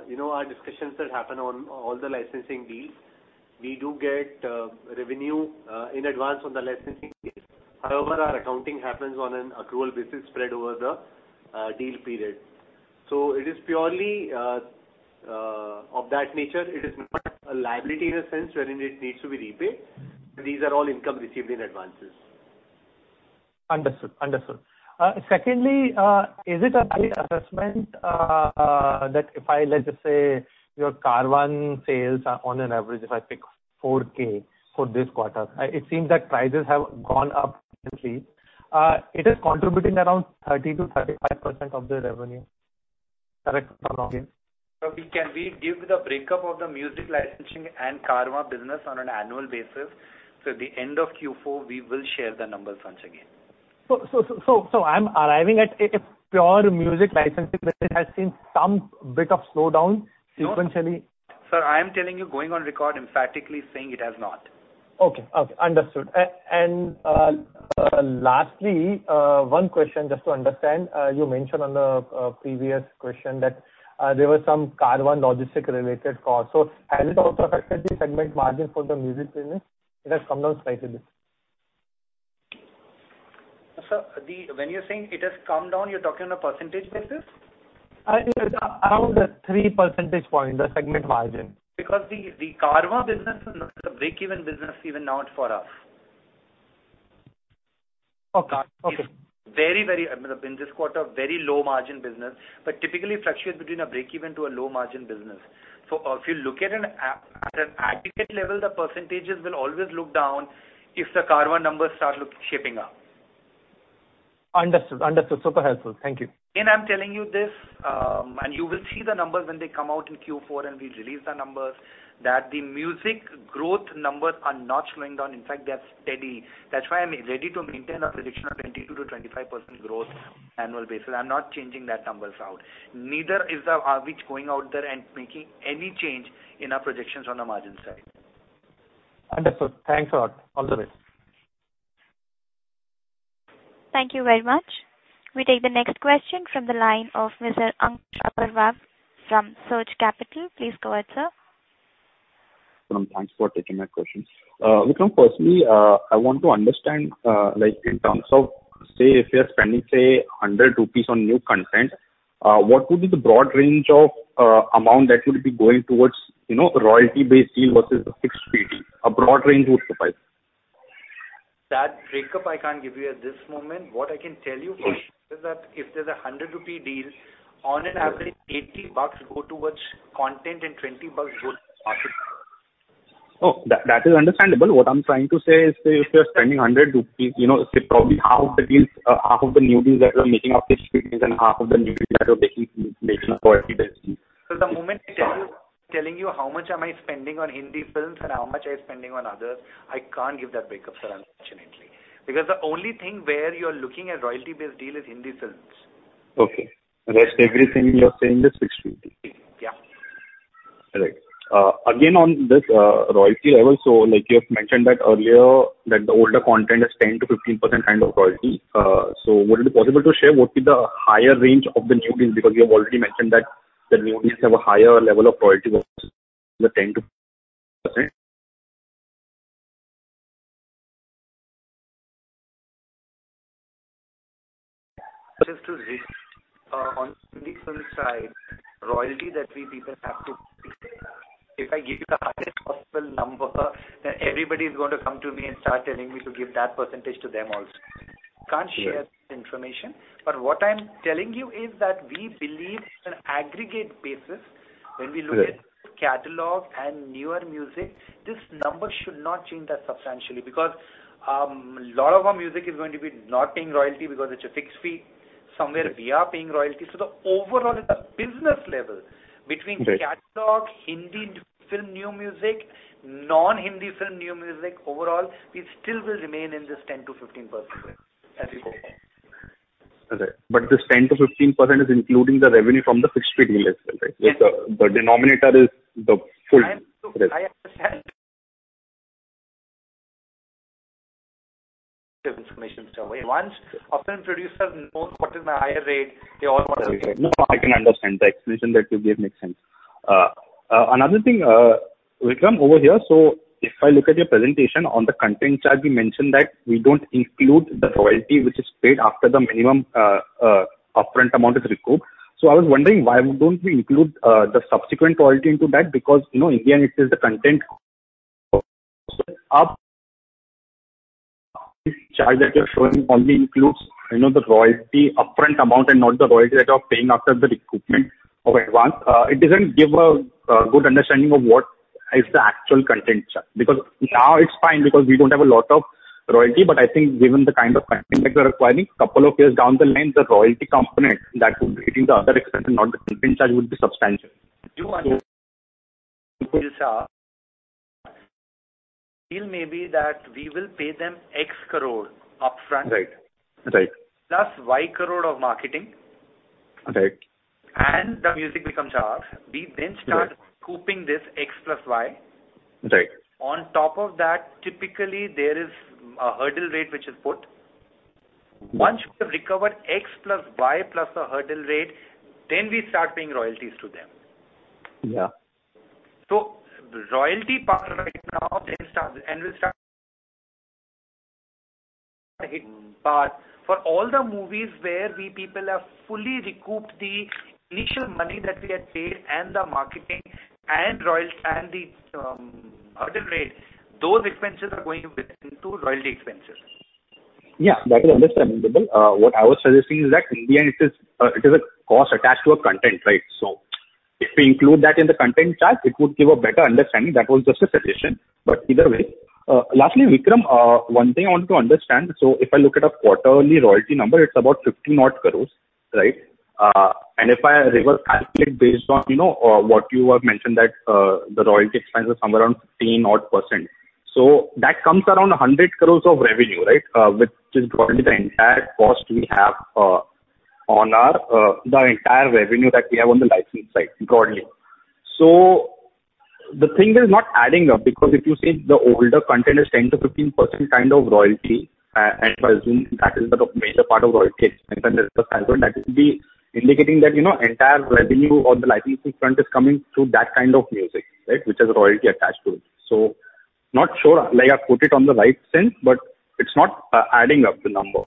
you know, our discussions that happen on all the licensing deals. We do get revenue in advance on the licensing deals. However, our accounting happens on an accrual basis spread over the deal period. It is purely of that nature. It is not a liability in a sense wherein it needs to be repaid. These are all income received in advances. Understood. Secondly, is it a valid assessment that if I, let's just say, your Carvaan sales are on average, if I pick 4K for this quarter, it seems that prices have gone up recently. It is contributing around 30%-35% of the revenue. Correct or wrong? We give the breakup of the music licensing and Carvaan business on an annual basis. At the end of Q4, we will share the numbers once again. I'm arriving at a pure music licensing business has seen some bit of slowdown sequentially. Sir, I am telling you, going on record emphatically saying it has not. Okay. Understood. Lastly, one question just to understand, you mentioned on the previous question that there were some Carvaan logistics-related costs. Has it also affected the segment margin for the music business? It has come down slightly. Sir, when you're saying it has come down, you're talking on a percentage basis? Around the 3 percentage point, the segment margin. Because the Carvaan business is not a break-even business even now, it's for us. Okay. Okay. Very, I mean, in this quarter, very low margin business, but typically fluctuates between a breakeven to a low margin business. If you look at an aggregate level, the percentages will always look low if the Carvaan numbers start looking shaping up. Understood. Super helpful. Thank you. I'm telling you this, and you will see the numbers when they come out in Q4 and we release the numbers, that the music growth numbers are not slowing down. In fact, they are steady. That's why I'm ready to maintain our prediction of 22%-25% growth annual basis. I'm not changing that numbers out. Neither is the Avech going out there and making any change in our projections on the margin side. Understood. Thanks a lot. All the best. Thank you very much. We take the next question from the line of Mr. Ankush Agrawal from Surge Capital. Please go ahead, sir. Thanks for taking my question. Vikram, firstly, I want to understand, like in terms of, say, if you are spending, say, 100 rupees on new content, what would be the broad range of amount that would be going towards, you know, royalty-based deal versus a fixed fee deal? A broad range would suffice. That break-up I can't give you at this moment. What I can tell you. Sure. Is that if there's an 100 rupee deal, on average 80 bucks go towards content and 20 bucks go towards. Oh, that is understandable. What I'm trying to say is that if you are spending 100 rupees, you know, probably half of the new deals that you are making are fixed fee deals and half of the new deals that you are making are royalty-based deals. The moment I tell you, telling you how much am I spending on Hindi films and how much I spending on others, I can't give that breakup, sir, unfortunately. Because the only thing where you're looking at royalty-based deal is Hindi films. Okay. Rest everything you're saying is fixed fee deal. Yeah. Right. Again, on this, royalty level, so like you have mentioned that earlier, that the older content is 10%-15% kind of royalty. Would it be possible to share what would be the higher range of the new deals? Because you have already mentioned that the new deals have a higher level of royalty versus the 10%-15%. Just to touch on Hindi film side, royalty that we people have to, if I give you the highest possible number, then everybody is going to come to me and start telling me to give that percentage to them also. Yeah. Can't share that information. What I'm telling you is that we believe on an aggregate basis when we look at. Right. Catalog and newer music, this number should not change that substantially because lot of our music is going to be not paying royalty because it's a fixed fee. Somewhere we are paying royalty. The overall at the business level between- Right. catalog, Hindi film new music, non-Hindi film new music overall, we still will remain in this 10%-15% range as we go forward. Okay. This 10%-15% is including the revenue from the fixed fee deal as well, right? Yes. The denominator is the full- Look, I understand information. Once a film producer knows what is my higher rate, they all want the higher rate. No, I can understand. The explanation that you gave makes sense. Another thing, Vikram, over here, if I look at your presentation on the content charge, we mentioned that we don't include the royalty which is paid after the minimum upfront amount is recouped. I was wondering, why don't we include the subsequent royalty into that? Because, you know, in the end it is the content charge that you're showing only includes, you know, the royalty upfront amount and not the royalty that you are paying after the recoupment of advance. It doesn't give a good understanding of what is the actual content charge. Because now it's fine because we don't have a lot of royalty, but I think given the kind of spending that we are requiring, couple of years down the line, the royalty component that would be hitting the other expense and not the content charge would be substantial. Your understanding may be that we will pay them INR X crore upfront. Right. Right. Plus 90 crore of marketing. Right. The music becomes ours. We start recouping this X plus Y. Right. On top of that, typically there is a hurdle rate which is put. Mm-hmm. Once we have recovered X plus Y plus the hurdle rate, then we start paying royalties to them. Yeah. The royalty part right now then starts and will start but for all the movies where we have fully recouped the initial money that we had paid and the marketing and royalty and the hurdle rate, those expenses are going into royalty expenses. Yeah, that is understandable. What I was suggesting is that in the end it is a cost attached to a content, right? If we include that in the content charge, it would give a better understanding. That was just a suggestion, but either way. Lastly, Vikram, one thing I want to understand, if I look at a quarterly royalty number, it's about 50-odd crores, right? If I reverse calculate based on, you know, what you have mentioned that, the royalty expense is somewhere around 15-odd%. That comes around 100 crores of revenue, right? Which is broadly the entire cost we have, on our, the entire revenue that we have on the license side, broadly. The thing is not adding up because if you say the older content is 10%-15% kind of royalty, and I assume that is the major part of royalties, and then there's the current one, that would be indicating that, you know, entire revenue on the licensing front is coming through that kind of music, right, which has a royalty attached to it. Not sure, like, I put it on the right sense, but it's not adding up, the number.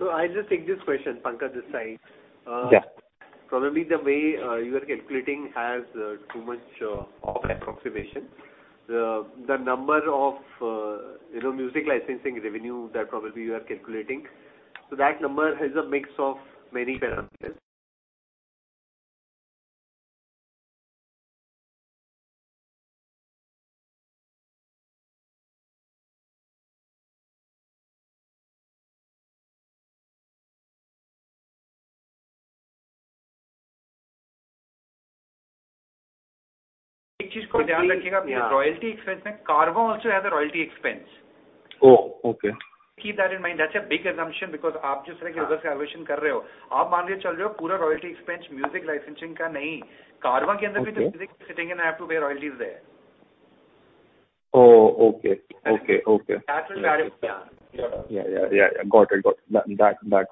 I'll just take this question, Pankaj, this side. Yeah. Probably the way you are calculating has too much of approximation. The number of music licensing revenue that probably you are calculating, so that number is a mix of many parameters. One thing you keep in mind, royalty expense, Carvaan also has a royalty expense. Oh, okay. Keep that in mind. That's a big assumption, because the way you are doing the calculation. You are assuming the entire royalty expense is net of music licensing. Even in Carvaan there is music sitting in, I have to pay royalties there. Oh, okay. That will vary. Yeah. Yeah. Got it. That was important. Got it. That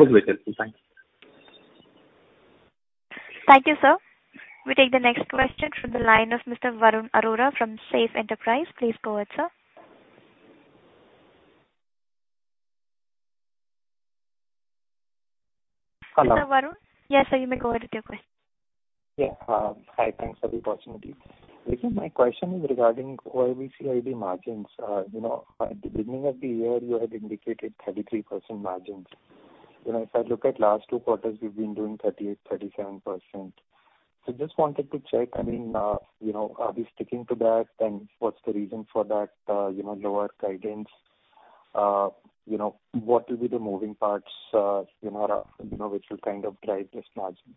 was very helpful. Thank you. Thank you, sir. We take the next question from the line of Mr. Varun Arora from Safe Enterprise. Please go ahead, sir. Hello. Mr. Varun? Yes, sir. You may go ahead with your question. Yeah. Hi, thanks for the opportunity. Vikram Mehra, my question is regarding OIBDA margins. You know, at the beginning of the year, you had indicated 33% margins. You know, if I look at last two quarters, we've been doing 38%, 37%. Just wanted to check, I mean, you know, are we sticking to that? And what's the reason for that, you know, lower guidance? You know, what will be the moving parts, you know, which will kind of drive this margin?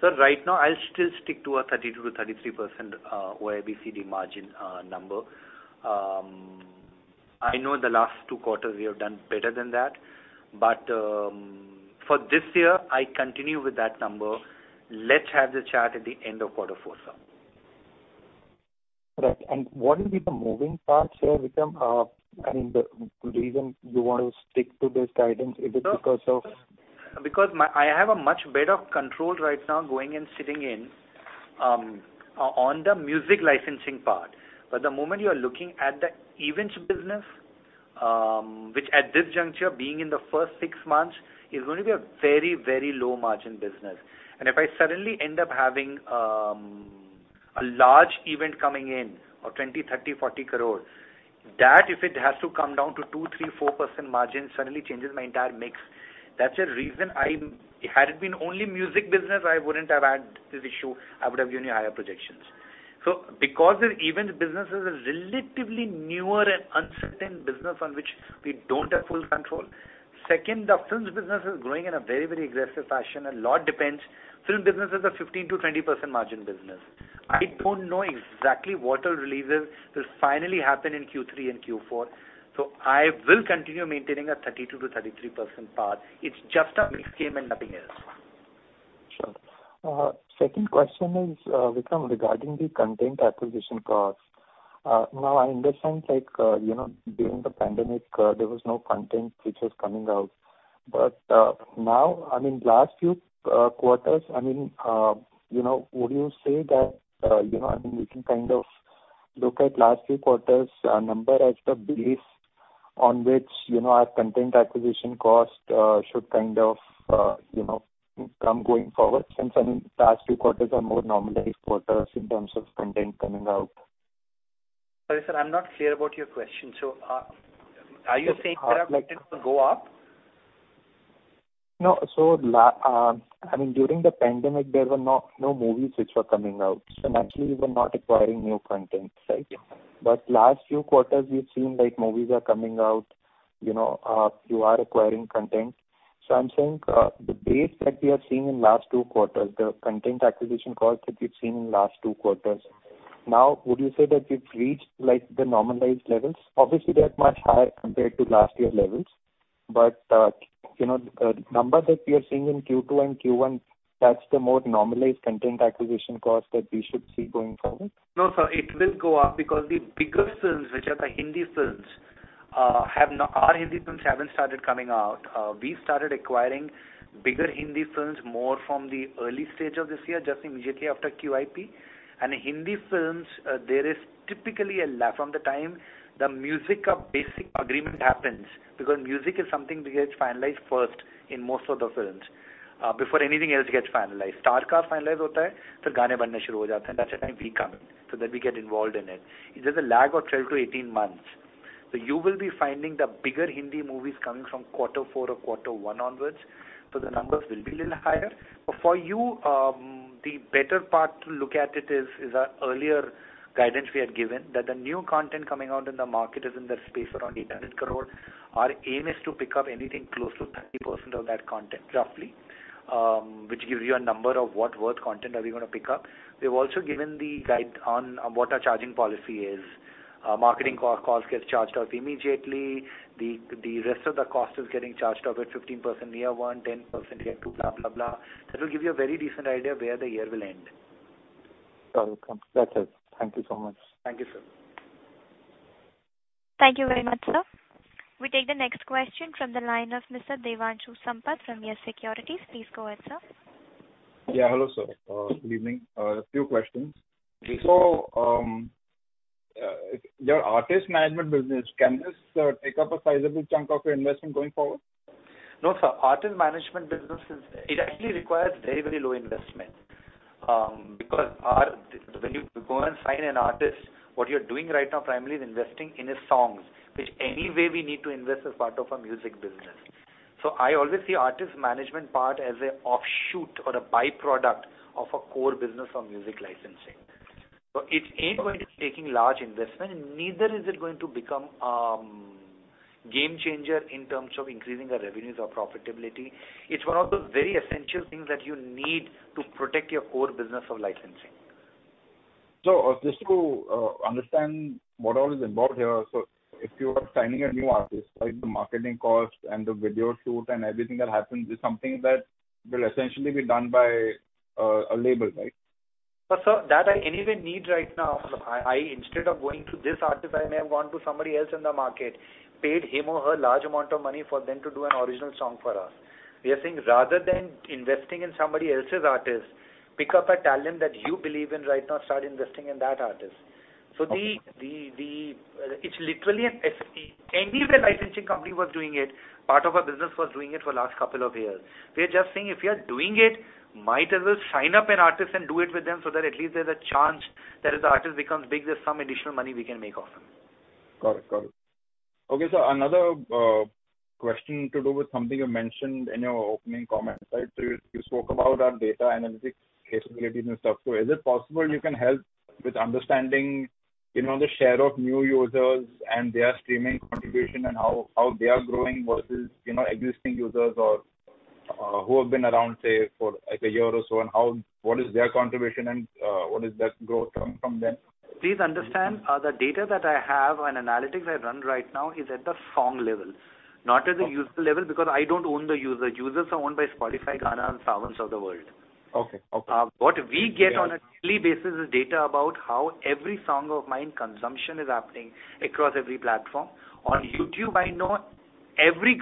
Sir, right now, I'll still stick to a 32%-33% OIBDA margin number. I know the last two quarters we have done better than that. For this year, I continue with that number. Let's have the chat at the end of quarter four, sir. Right. What will be the moving parts here, Vikram? I mean, the reason you want to stick to this guidance, is it because of? I have a much better control right now going and sitting in on the music licensing part. The moment you are looking at the events business, which at this juncture, being in the first six months, is going to be a very, very low margin business. If I suddenly end up having a large event coming in of 20 crore, 30 crore, 40 crore, that if it has to come down to 2%, 3%, 4% margins suddenly changes my entire mix. That's the reason. Had it been only music business, I wouldn't have had this issue. I would have given you higher projections. Because the events business is a relatively newer and uncertain business on which we don't have full control. Second, the films business is growing in a very, very aggressive fashion. A lot depends. Film business is a 15%-20% margin business. I don't know exactly what releases will finally happen in Q3 and Q4, so I will continue maintaining a 32%-33% path. It's just a mix game and nothing else. Sure. Second question is, Vikram, regarding the content acquisition costs. Now I understand like, you know, during the pandemic, there was no content which was coming out. Now, I mean, last few quarters, I mean, you know, would you say that, you know, I mean, we can kind of look at last few quarters number as the base on which, you know, our content acquisition cost should kind of, you know, come going forward since, I mean, last few quarters are more normalized quarters in terms of content coming out. Sorry, sir, I'm not clear about your question. Are you saying that our content will go up? No. I mean, during the pandemic, there were no movies which were coming out, so naturally we were not acquiring new content. Right? Yeah. Last few quarters, we've seen like movies are coming out, you know. You are acquiring content. I'm saying, the base that we have seen in last two quarters, the content acquisition costs that we've seen in last 2 quarters. Now, would you say that we've reached like the normalized levels? Obviously, they're much higher compared to last year levels. You know, the number that we are seeing in Q2 and Q1, that's the more normalized content acquisition cost that we should see going forward. No, sir, it will go up because the bigger films, which are the Hindi films, Our Hindi films haven't started coming out. We started acquiring bigger Hindi films more from the early stage of this year, just immediately after QIP. Hindi films, there is typically a lag from the time the music, basic agreement happens. Because music is something which gets finalized first in most of the films, before anything else gets finalized. Star cast finalize hota hai, phir gaane banne shuru ho jaate hai, that's the time we come in. We get involved in it. It is a lag of 12-18 months. You will be finding the bigger Hindi movies coming from quarter four or quarter one onwards. The numbers will be a little higher. For you, the better part to look at it is our earlier guidance we had given that the new content coming out in the market is in the space around 800 crores. Our aim is to pick up anything close to 30% of that content, roughly, which gives you a number of what worth content are we gonna pick up. We've also given the guide on what our charging policy is. Marketing cost gets charged off immediately. The rest of the cost is getting charged off at 15% year one, 10% year two, blah, blah. That will give you a very decent idea of where the year will end. Got it. That's it. Thank you so much. Thank you, sir. Thank you very much, sir. We take the next question from the line of Mr. Devanshu Sampat from YES Securities. Please go ahead, sir. Yeah. Hello, sir. Good evening. A few questions. Your artist management business, can this take up a sizable chunk of your investment going forward? No, sir. Artist management business actually requires very, very low investment. Because when you go and sign an artist, what you're doing right now primarily is investing in his songs, which anyway we need to invest as part of our music business. I always see artist management part as an offshoot or a byproduct of a core business of music licensing. It ain't going to be taking large investment, and neither is it going to become game changer in terms of increasing our revenues or profitability. It's one of those very essential things that you need to protect your core business of licensing. Just to understand what all is involved here. If you are signing a new artist, like the marketing cost and the video shoot and everything that happens is something that will essentially be done by a label, right? Sir, that I anyway need right now. I instead of going to this artist, I may have gone to somebody else in the market, paid him or her large amount of money for them to do an original song for us. We are saying rather than investing in somebody else's artist, pick up a talent that you believe in right now, start investing in that artist. It's literally an SPV. Any licensing company was doing it, part of our business was doing it for last couple of years. We are just saying if you are doing it, might as well sign up an artist and do it with them so that at least there's a chance that if the artist becomes big, there's some additional money we can make off them. Got it. Okay, another question to do with something you mentioned in your opening comments, right? You spoke about our data analytics capabilities and stuff. Is it possible you can help with understanding, you know, the share of new users and their streaming contribution and how they are growing versus, you know, existing users or who have been around, say, for like a year or so, and what is their contribution and what is that growth coming from them? Please understand, the data that I have and analytics I run right now is at the song level, not at the user level, because I don't own the user. Users are owned by Spotify, Gaana, and Saavn of the world. Okay. What we get on a daily basis is data about how every song of mine consumption is happening across every platform. On YouTube, I know every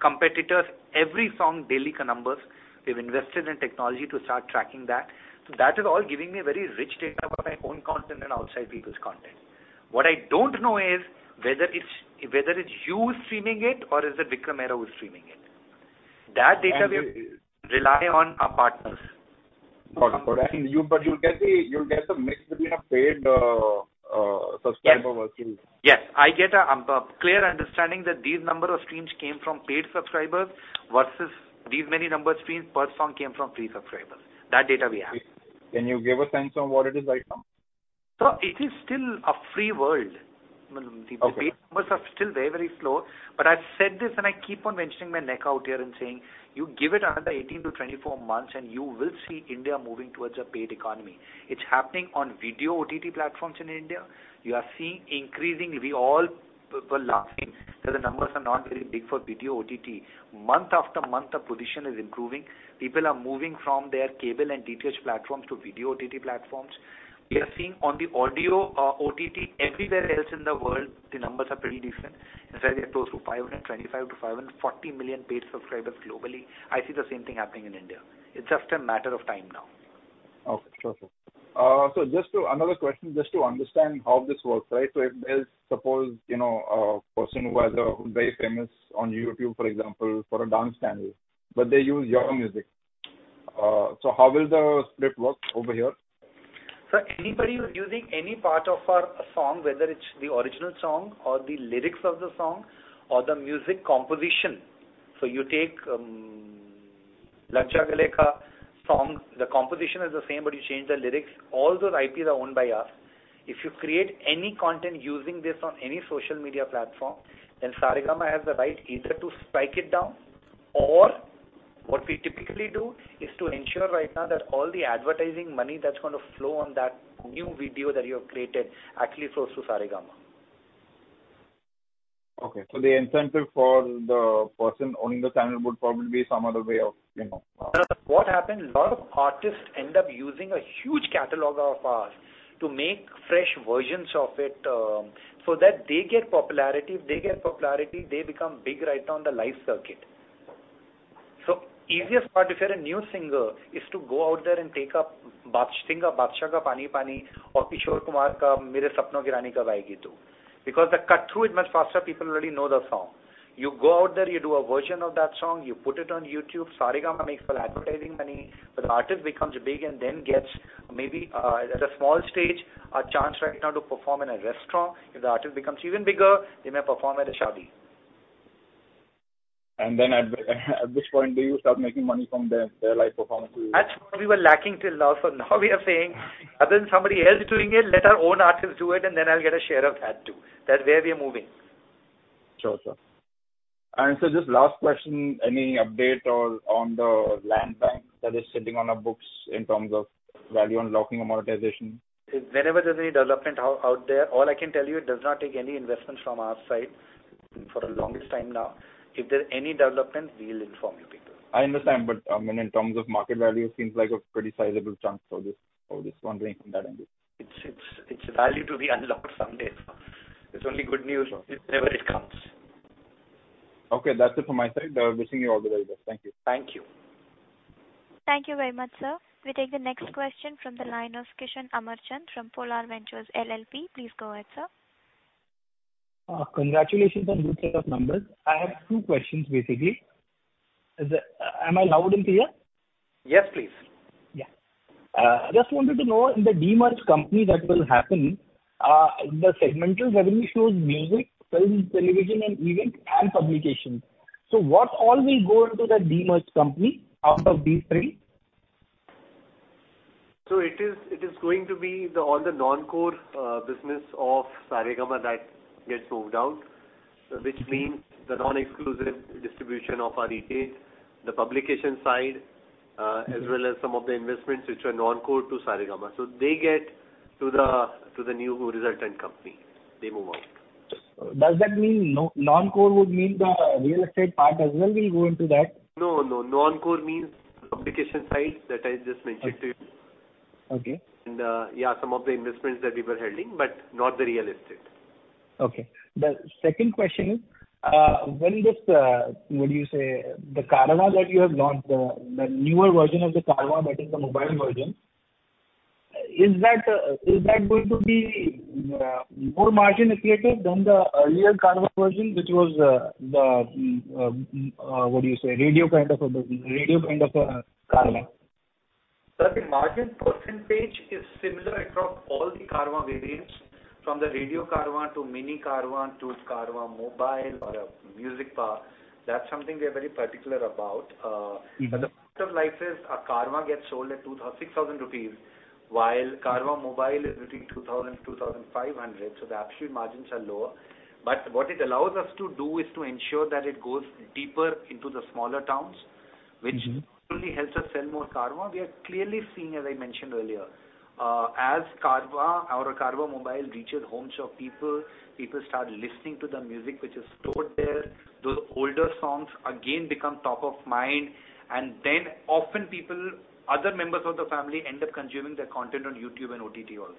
competitor's, every song daily numbers. We've invested in technology to start tracking that. That is all giving me very rich data about my own content and outside people's content. What I don't know is whether it's you streaming it or is it Vikram Mehra who is streaming it. That data we rely on our partners. Got it. You'll get the mix between a paid subscriber versus Yes. I get a clear understanding that these number of streams came from paid subscribers versus these many numbers streams per song came from free subscribers. That data we have. Can you give a sense on what it is right now? Sir, it is still a free world. Okay. The paid numbers are still very, very slow. I've said this, and I keep on venturing my neck out here and saying, you give it another 18-24 months and you will see India moving towards a paid economy. It's happening on video OTT platforms in India. We all were laughing that the numbers are not very big for video OTT. Month after month, the position is improving. People are moving from their cable and DTH platforms to video OTT platforms. We are seeing on the audio OTT, everywhere else in the world, the numbers are pretty decent, as they get close to 525-540 million paid subscribers globally. I see the same thing happening in India. It's just a matter of time now. Okay. Sure, sir. Another question, just to understand how this works, right? If there's suppose, you know, a person who was very famous on YouTube, for example, for a dance channel, but they use your music. How will the split work over here? Sir, anybody who's using any part of our song, whether it's the original song or the lyrics of the song or the music composition. You take Lag Ja Gale's song. The composition is the same, but you change the lyrics. All those IPs are owned by us. If you create any content using this on any social media platform, then Saregama has the right either to strike it down or what we typically do is to ensure right now that all the advertising money that's gonna flow on that new video that you have created actually flows through Saregama. Okay. The incentive for the person owning the channel would probably be some other way of, you know, What happens, a lot of artists end up using a huge catalog of ours to make fresh versions of it, so that they get popularity. If they get popularity, they become big right now on the live circuit. Easiest part if you're a new singer is to go out there and take up, sing a Badshah ka Pani Pani or Kishore Kumar ka Mere Sapnon Ki Rani Kab Aayegi Tu. Because the cut-through is much faster, people already know the song. You go out there, you do a version of that song, you put it on YouTube, Saregama makes all advertising money, but the artist becomes big and then gets maybe at a small stage, a chance right now to perform in a restaurant. If the artist becomes even bigger, they may perform at a shaadi. At which point do you start making money from their live performances? That's what we were lacking till now. Now we are saying other than somebody else doing it, let our own artist do it, and then I'll get a share of that, too. That's where we are moving. Sure. Just last question, any update on the land bank that is sitting on our books in terms of value unlocking or monetization? Whenever there's any development out there, all I can tell you, it does not take any investment from our side for the longest time now. If there are any developments, we'll inform you people. I understand. I mean, in terms of market value, it seems like a pretty sizable chunk. Just, I was just wondering from that angle. It's value to be unlocked someday, sir. It's only good news whenever it comes. Okay. That's it from my side. Wishing you all the very best. Thank you. Thank you. Thank you very much, sir. We take the next question from the line of Kishan Amarchand from Polar Ventures LLP. Please go ahead, sir. Congratulations on good set of numbers. I have two questions basically. Am I loud and clear? Yes, please. Just wanted to know, in the de-merger company that will happen, the segmental revenue shows music, film, television and event and publication. What all will go into that de-merger company out of these three? It is going to be on the non-core business of Saregama that gets moved out, which means the non-exclusive distribution of our retail, the publication side, as well as some of the investments which are non-core to Saregama. They get to the new resultant company. They move on. Does that mean non-core would mean the real estate part as well will go into that? No, no. Non-core means publication side that I just mentioned to you. Okay. Yeah, some of the investments that we were holding, but not the real estate. Okay. The second question is, when this what do you say, the Carvaan that you have launched, the newer version of the Carvaan, that is the mobile version, is that going to be more margin accretive than the earlier Carvaan version, which was what do you say, radio kind of a business, radio kind of a Carvaan? Sir, the margin percentage is similar across all the Carvaan variants, from the Radio Carvaan to Carvaan Mini to Carvaan Mobile or Musicbar. That's something we are very particular about. Mm-hmm. The cost of license, a Carvaan gets sold at 6,000 rupees, while Carvaan Mobile is between 2,000 and 2,500, so the absolute margins are lower. What it allows us to do is to ensure that it goes deeper into the smaller towns. Mm-hmm. Which really helps us sell more Carvaan. We are clearly seeing, as I mentioned earlier, as Carvaan, our Carvaan Mobile reaches homes of people start listening to the music which is stored there. Those older songs again become top of mind, and then often people, other members of the family end up consuming the content on YouTube and OTT also.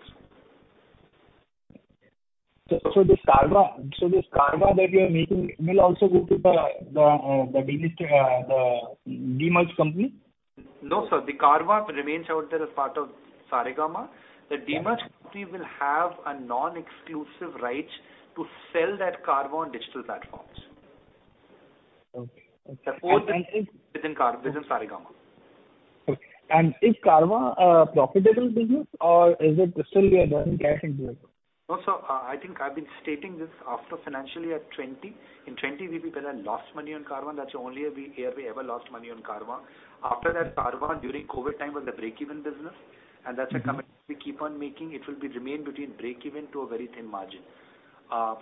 This Carvaan that you are making will also go to the demerger company? No, sir. The Carvaan remains out there as part of Saregama. The demerger company will have a non-exclusive right to sell that Carvaan on digital platforms. Okay. The core business within Carvaan, within Saregama. Okay. Is Carvaan a profitable business or is it still a burning cash endeavor? No, sir. I think I've been stating this after financial year 2020. In 2020, we had lost money on Carvaan. That's the only year we ever lost money on Carvaan. After that, Carvaan during COVID time was the break-even business, and that's a commitment we keep on making. It will remain between break-even to a very thin margin.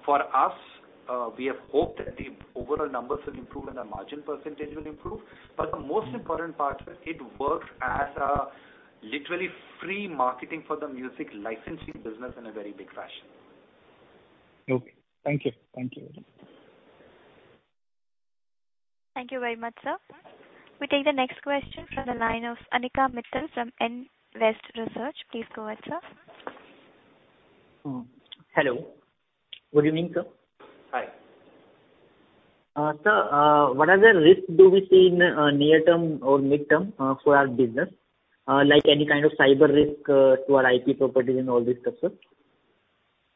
For us, we have hoped that the overall numbers will improve and the margin percentage will improve. The most important part is it works as literally free marketing for the music licensing business in a very big fashion. Okay. Thank you. Thank you. Thank you very much, sir. We take the next question from the line of Ankita Mittal from Nivesh. Please go ahead, sir. Hello. Good evening, sir. Hi. Sir, what are the risks do we see in near term or midterm for our business? Like any kind of cyber risk to our IP properties and all this stuff, sir?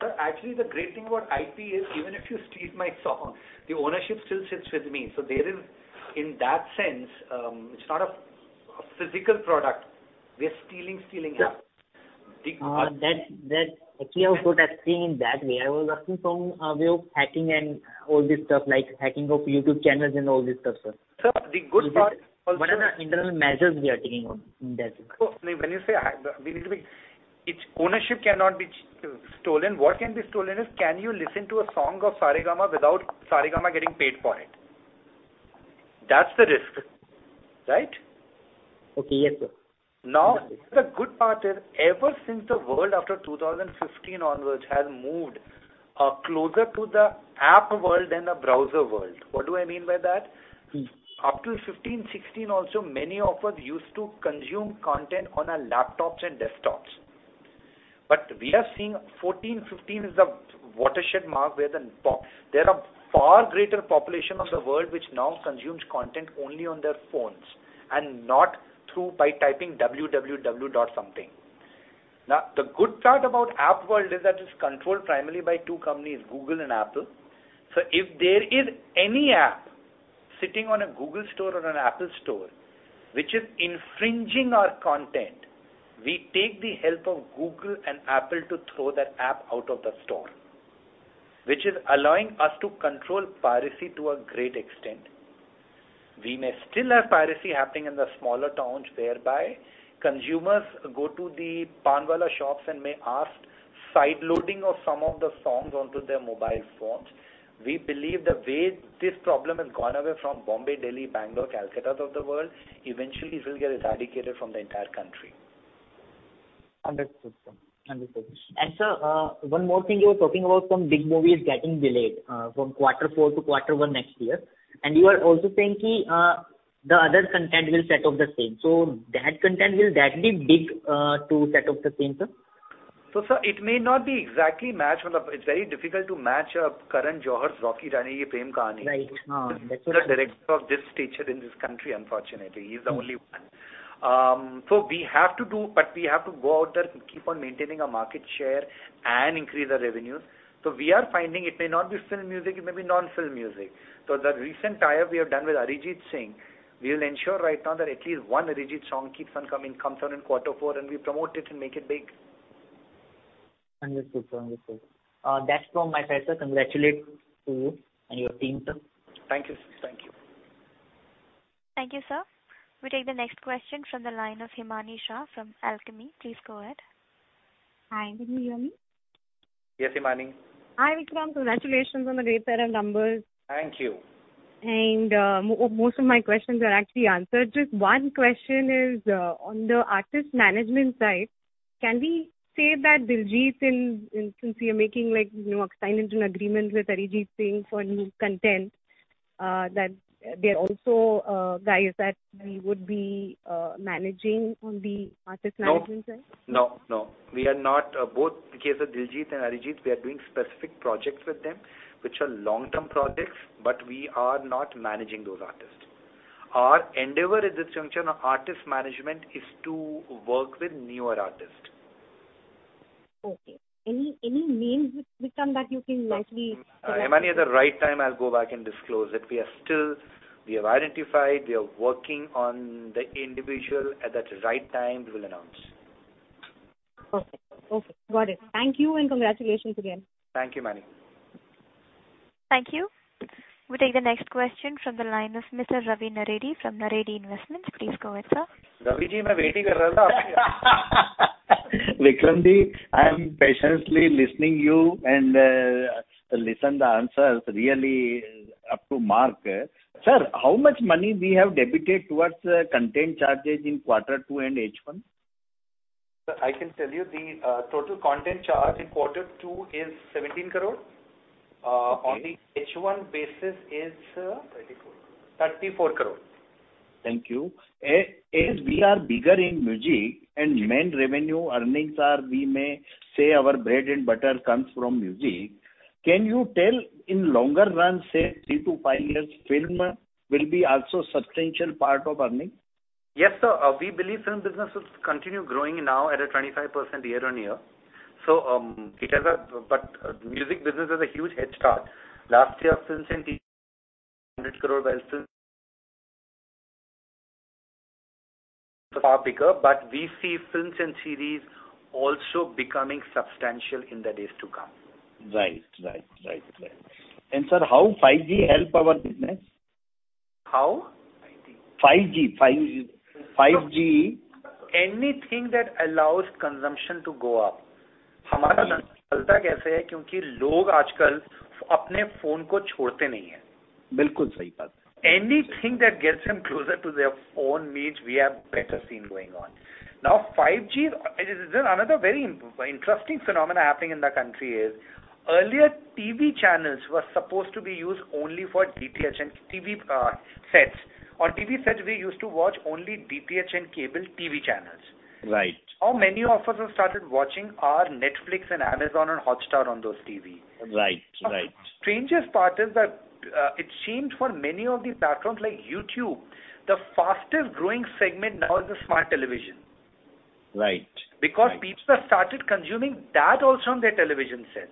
Sir, actually, the great thing about IP is even if you steal my song, the ownership still sits with me. There is, in that sense, it's not a physical product. We are stealing it. Yeah. Actually, I was not asking in that way. I was asking from way of hacking and all this stuff, like hacking of YouTube channels and all this stuff, sir. Sir, the good part also. What are the internal measures we are taking on in that way? When you say its ownership cannot be stolen. What can be stolen is can you listen to a song of Saregama without Saregama getting paid for it. That's the risk, right? Okay. Yes, sir. Now, the good part is, ever since the world after 2015 onwards has moved closer to the app world than the browser world. What do I mean by that? Mm-hmm. Up till 15, 16 also, many of us used to consume content on our laptops and desktops. We are seeing 14, 15 is the watershed mark. There are far greater population of the world which now consumes content only on their phones, and not through by typing www dot something. Now, the good part about app world is that it's controlled primarily by two companies, Google and Apple. If there is any app sitting on a Google store or an Apple store which is infringing our content, we take the help of Google and Apple to throw that app out of the store, which is allowing us to control piracy to a great extent. We may still have piracy happening in the smaller towns, whereby consumers go to the panwala shops and may ask side loading of some of the songs onto their mobile phones. We believe the way this problem has gone away from Bombay, Delhi, Bangalore, Calcuttas of the world, eventually it will get eradicated from the entire country. Understood, sir. Sir, one more thing. You were talking about some big movies getting delayed from quarter four to quarter one next year. You are also saying the other content will set off the same. That content, will that be big to set off the same, sir? sir, it may not be exactly match. It's very difficult to match up Karan Johar's Rocky Aur Rani Kii Prem Kahaani. Right. There's no director of this stature in this country, unfortunately. He's the only one. We have to do, but we have to go out there and keep on maintaining our market share and increase our revenues. We are finding it may not be film music, it may be non-film music. The recent tie-up we have done with Arijit Singh, we will ensure right now that at least one Arijit song keeps on coming, comes on in quarter four, and we promote it and make it big. Understood, sir. That's from my side, sir. Congratulations to you and your team, sir. Thank you. Thank you. Thank you, sir. We take the next question from the line of Himani Shah from Alchemy. Please go ahead. Hi, can you hear me? Yes, Himani. Hi, Vikram. Congratulations on the great set of numbers. Thank you. Most of my questions are actually answered. Just one question is, on the artist management side, can we say that Diljit, and since you're making like, you know, a signing agreement with Arijit Singh for new content, that they're also guys that we would be managing on the artist management side? No. No, no. We are not. Both the case of Diljit and Arijit, we are doing specific projects with them, which are long-term projects, but we are not managing those artists. Our endeavor at this juncture on artist management is to work with newer artists. Okay. Any names, Vikram, that you can likely- Himani, at the right time, I'll go back and disclose it. We have identified, we are working on the individual. At that right time, we will announce. Okay. Okay, got it. Thank you and congratulations again. Thank you, Himani. Thank you. We take the next question from the line of Mr. Ravi Naredi from Naredi Investments. Please go ahead, sir. Ravi ji, I'm waiting for you. Vikram ji, I am patiently listening to you and listening to the answers really up to mark. Sir, how much money we have debited towards content charges in quarter two and H1? Sir, I can tell you the total content charge in quarter two is 17 crore. Okay. On the H1 basis is. Thirty-four. 34 crore. Thank you. As we are bigger in music and main revenue earnings are, we may say our bread and butter comes from music. Can you tell in long run, say three to five years, film will be also substantial part of earnings? Yes, sir. We believe film business will continue growing now at a 25% year-on-year. Music business has a huge head start. Last year, films and TV 100 crore versus far bigger. We see films and series also becoming substantial in the days to come. Right. Sir, how 5G help our business? How? 5G. Anything that allows consumption to go up. Mm-hmm. Anything that gets them closer to their phone means we have better scene going on. Now, 5G, there's another very interesting phenomenon happening in the country. Earlier TV channels were supposed to be used only for DTH and TV sets. On TV sets, we used to watch only DTH and cable TV channels. Right. How many of us have started watching our Netflix and Amazon and Hotstar on those TVs? Right. Right. Strangest part is that, it seemed for many of the platforms like YouTube, the fastest growing segment now is the smart television. Right. Right. Because people have started consuming that also on their television sets.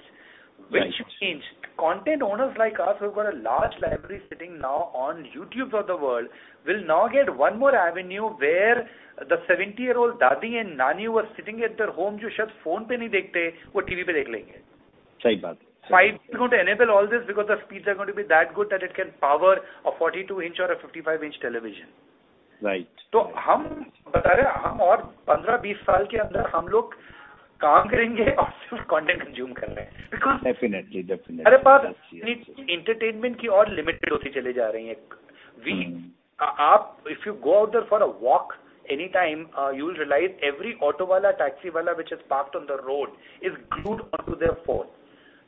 Right. Which means content owners like us who have got a large library sitting now on YouTube's of the world will now get one more avenue where the 70-year-old dadi and nani who are sitting at their home phone TV. 5G is going to enable all this because the speeds are going to be that good that it can power a 42-inch or a 55-inch television. Right. Definitely. Yes. Entertainment Limited. If you go out there for a walk anytime, you will realize every auto wala, taxi wala which is parked on the road is glued onto their phone. Right.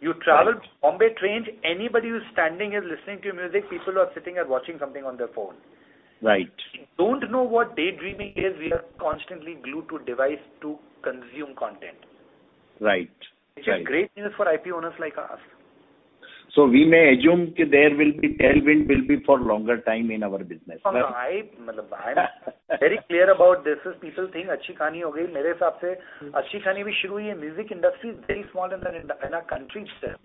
You travel Bombay trains, anybody who's standing is listening to music. People are sitting and watching something on their phone. Right. We don't know what daydreaming is. We are constantly glued to a device to consume content. Right. Right. Which is great news for IP owners like us. We may assume there will be tailwind for longer time in our business. I'm very clear about this. People think music industry is very small in our country itself.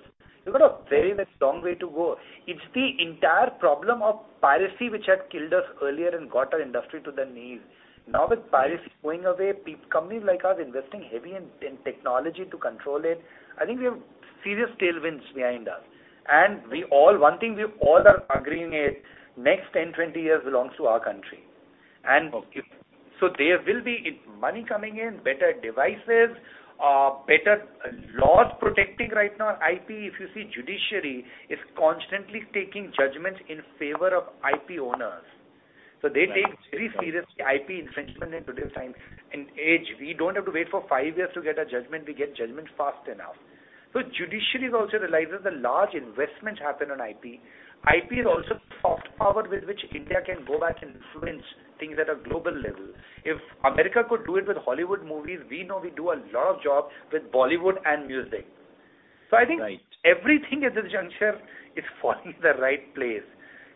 We've got a very long way to go. It's the entire problem of piracy which had killed us earlier and got our industry to their knees. Now with piracy going away, companies like us investing heavy in technology to control it, I think we have serious tailwinds behind us. One thing we all are agreeing is next 10, 20 years belongs to our country. Okay. There will be money coming in, better devices, better laws protecting right now IP. If you see judiciary is constantly taking judgments in favor of IP owners. Right. They take very seriously IP infringement in today's time and age. We don't have to wait for five years to get a judgment. We get judgments fast enough. Judiciary has also realized that the large investments happen on IP. IP is also soft power with which India can go out and influence things at a global level. If America could do it with Hollywood movies, we can do a lot of good with Bollywood and music. I think everything at this juncture is falling in the right place.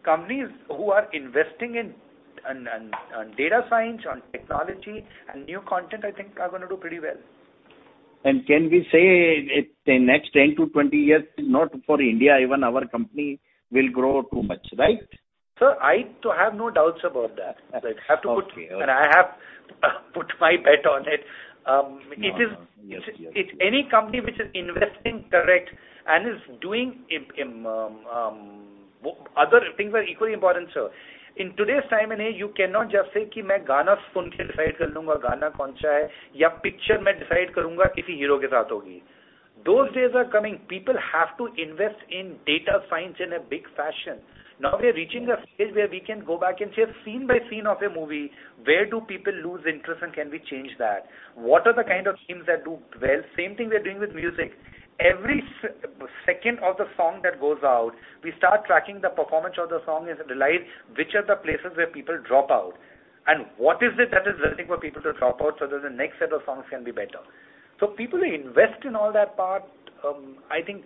Companies who are investing in data science, technology and new content, I think are gonna do pretty well. Can we say in the next 10-20 years, not for India, even our company will grow too much, right? Sir, I have no doubts about that. Okay, okay. I have put my bet on it. Yes, yes. If any company which is investing correctly and is doing other things are equally important, sir. In today's time and age, you cannot just say those days are coming. People have to invest in data science in a big fashion. Now we are reaching a stage where we can go back and say scene by scene of a movie, where do people lose interest and can we change that? What are the kind of scenes that do well? Same thing we are doing with music. Every second of the song that goes out, we start tracking the performance of the song as it plays, which are the places where people drop out and what is it that is resulting for people to drop out so that the next set of songs can be better. People who invest in all that part, I think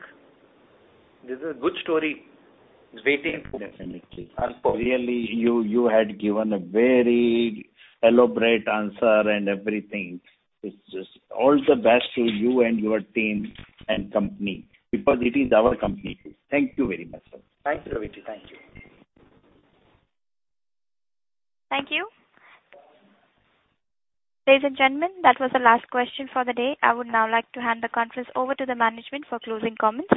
this is a good story waiting. Definitely. Really, you had given a very elaborate answer and everything. It's just all the best to you and your team and company because it is our company too. Thank you very much, sir. Thank you, Ravi Naredi. Thank you. Thank you. Ladies and gentlemen, that was the last question for the day. I would now like to hand the conference over to the management for closing comments.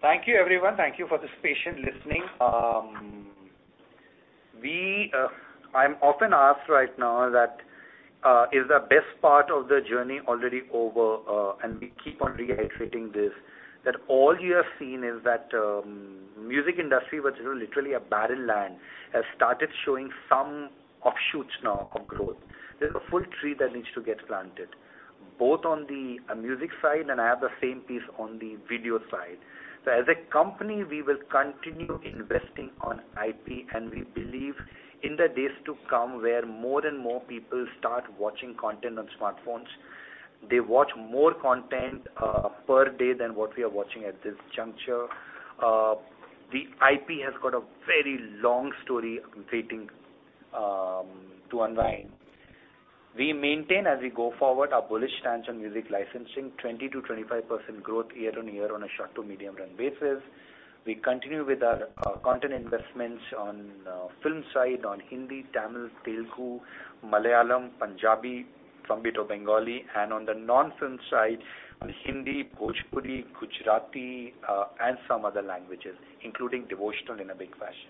Thank you, everyone. Thank you for this patient listening. I'm often asked right now that is the best part of the journey already over? We keep on reiterating this, that all you have seen is that music industry, which is literally a barren land, has started showing some offshoots now of growth. There's a full tree that needs to get planted, both on the music side, and I have the same piece on the video side. As a company, we will continue investing on IP, and we believe in the days to come, where more and more people start watching content on smartphones. They watch more content per day than what we are watching at this juncture. The IP has got a very long story waiting to unwind. We maintain, as we go forward, our bullish stance on music licensing, 20%-25% growth year-on-year on a short to medium run basis. We continue with our content investments on film side on Hindi, Tamil, Telugu, Malayalam, Punjabi to Bengali, and on the non-film side on Hindi, Bhojpuri, Gujarati, and some other languages, including devotional in a big fashion.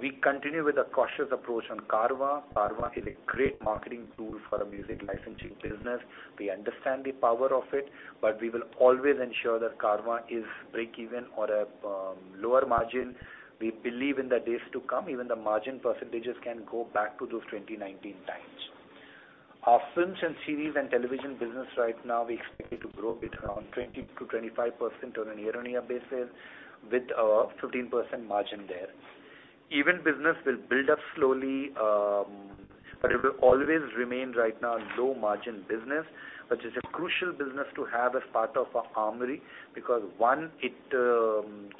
We continue with a cautious approach on Carvaan. Carvaan is a great marketing tool for a music licensing business. We understand the power of it, but we will always ensure that Carvaan is break even or a lower margin. We believe in the days to come, even the margin percentages can go back to those 2019 times. Our films and series and television business right now, we expect it to grow between 20%-25% on a year-on-year basis with a 15% margin there. Events business will build up slowly, but it will always remain right now low margin business, which is a crucial business to have as part of our armory, because one, it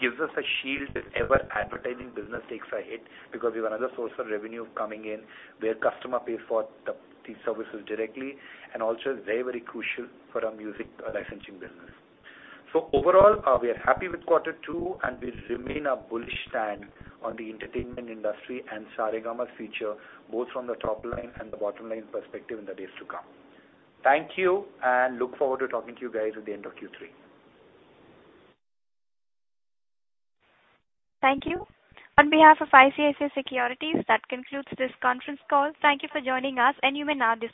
gives us a shield if ever advertising business takes a hit because we have another source of revenue coming in where customer pays for these services directly and also is very, very crucial for our music licensing business. Overall, we are happy with quarter two, and we remain a bullish stance on the entertainment industry and Saregama's future, both from the top line and the bottom line perspective in the days to come. Thank you, and look forward to talking to you guys at the end of Q3. Thank you. On behalf of ICICI Securities, that concludes this conference call. Thank you for joining us, and you may now disconnect.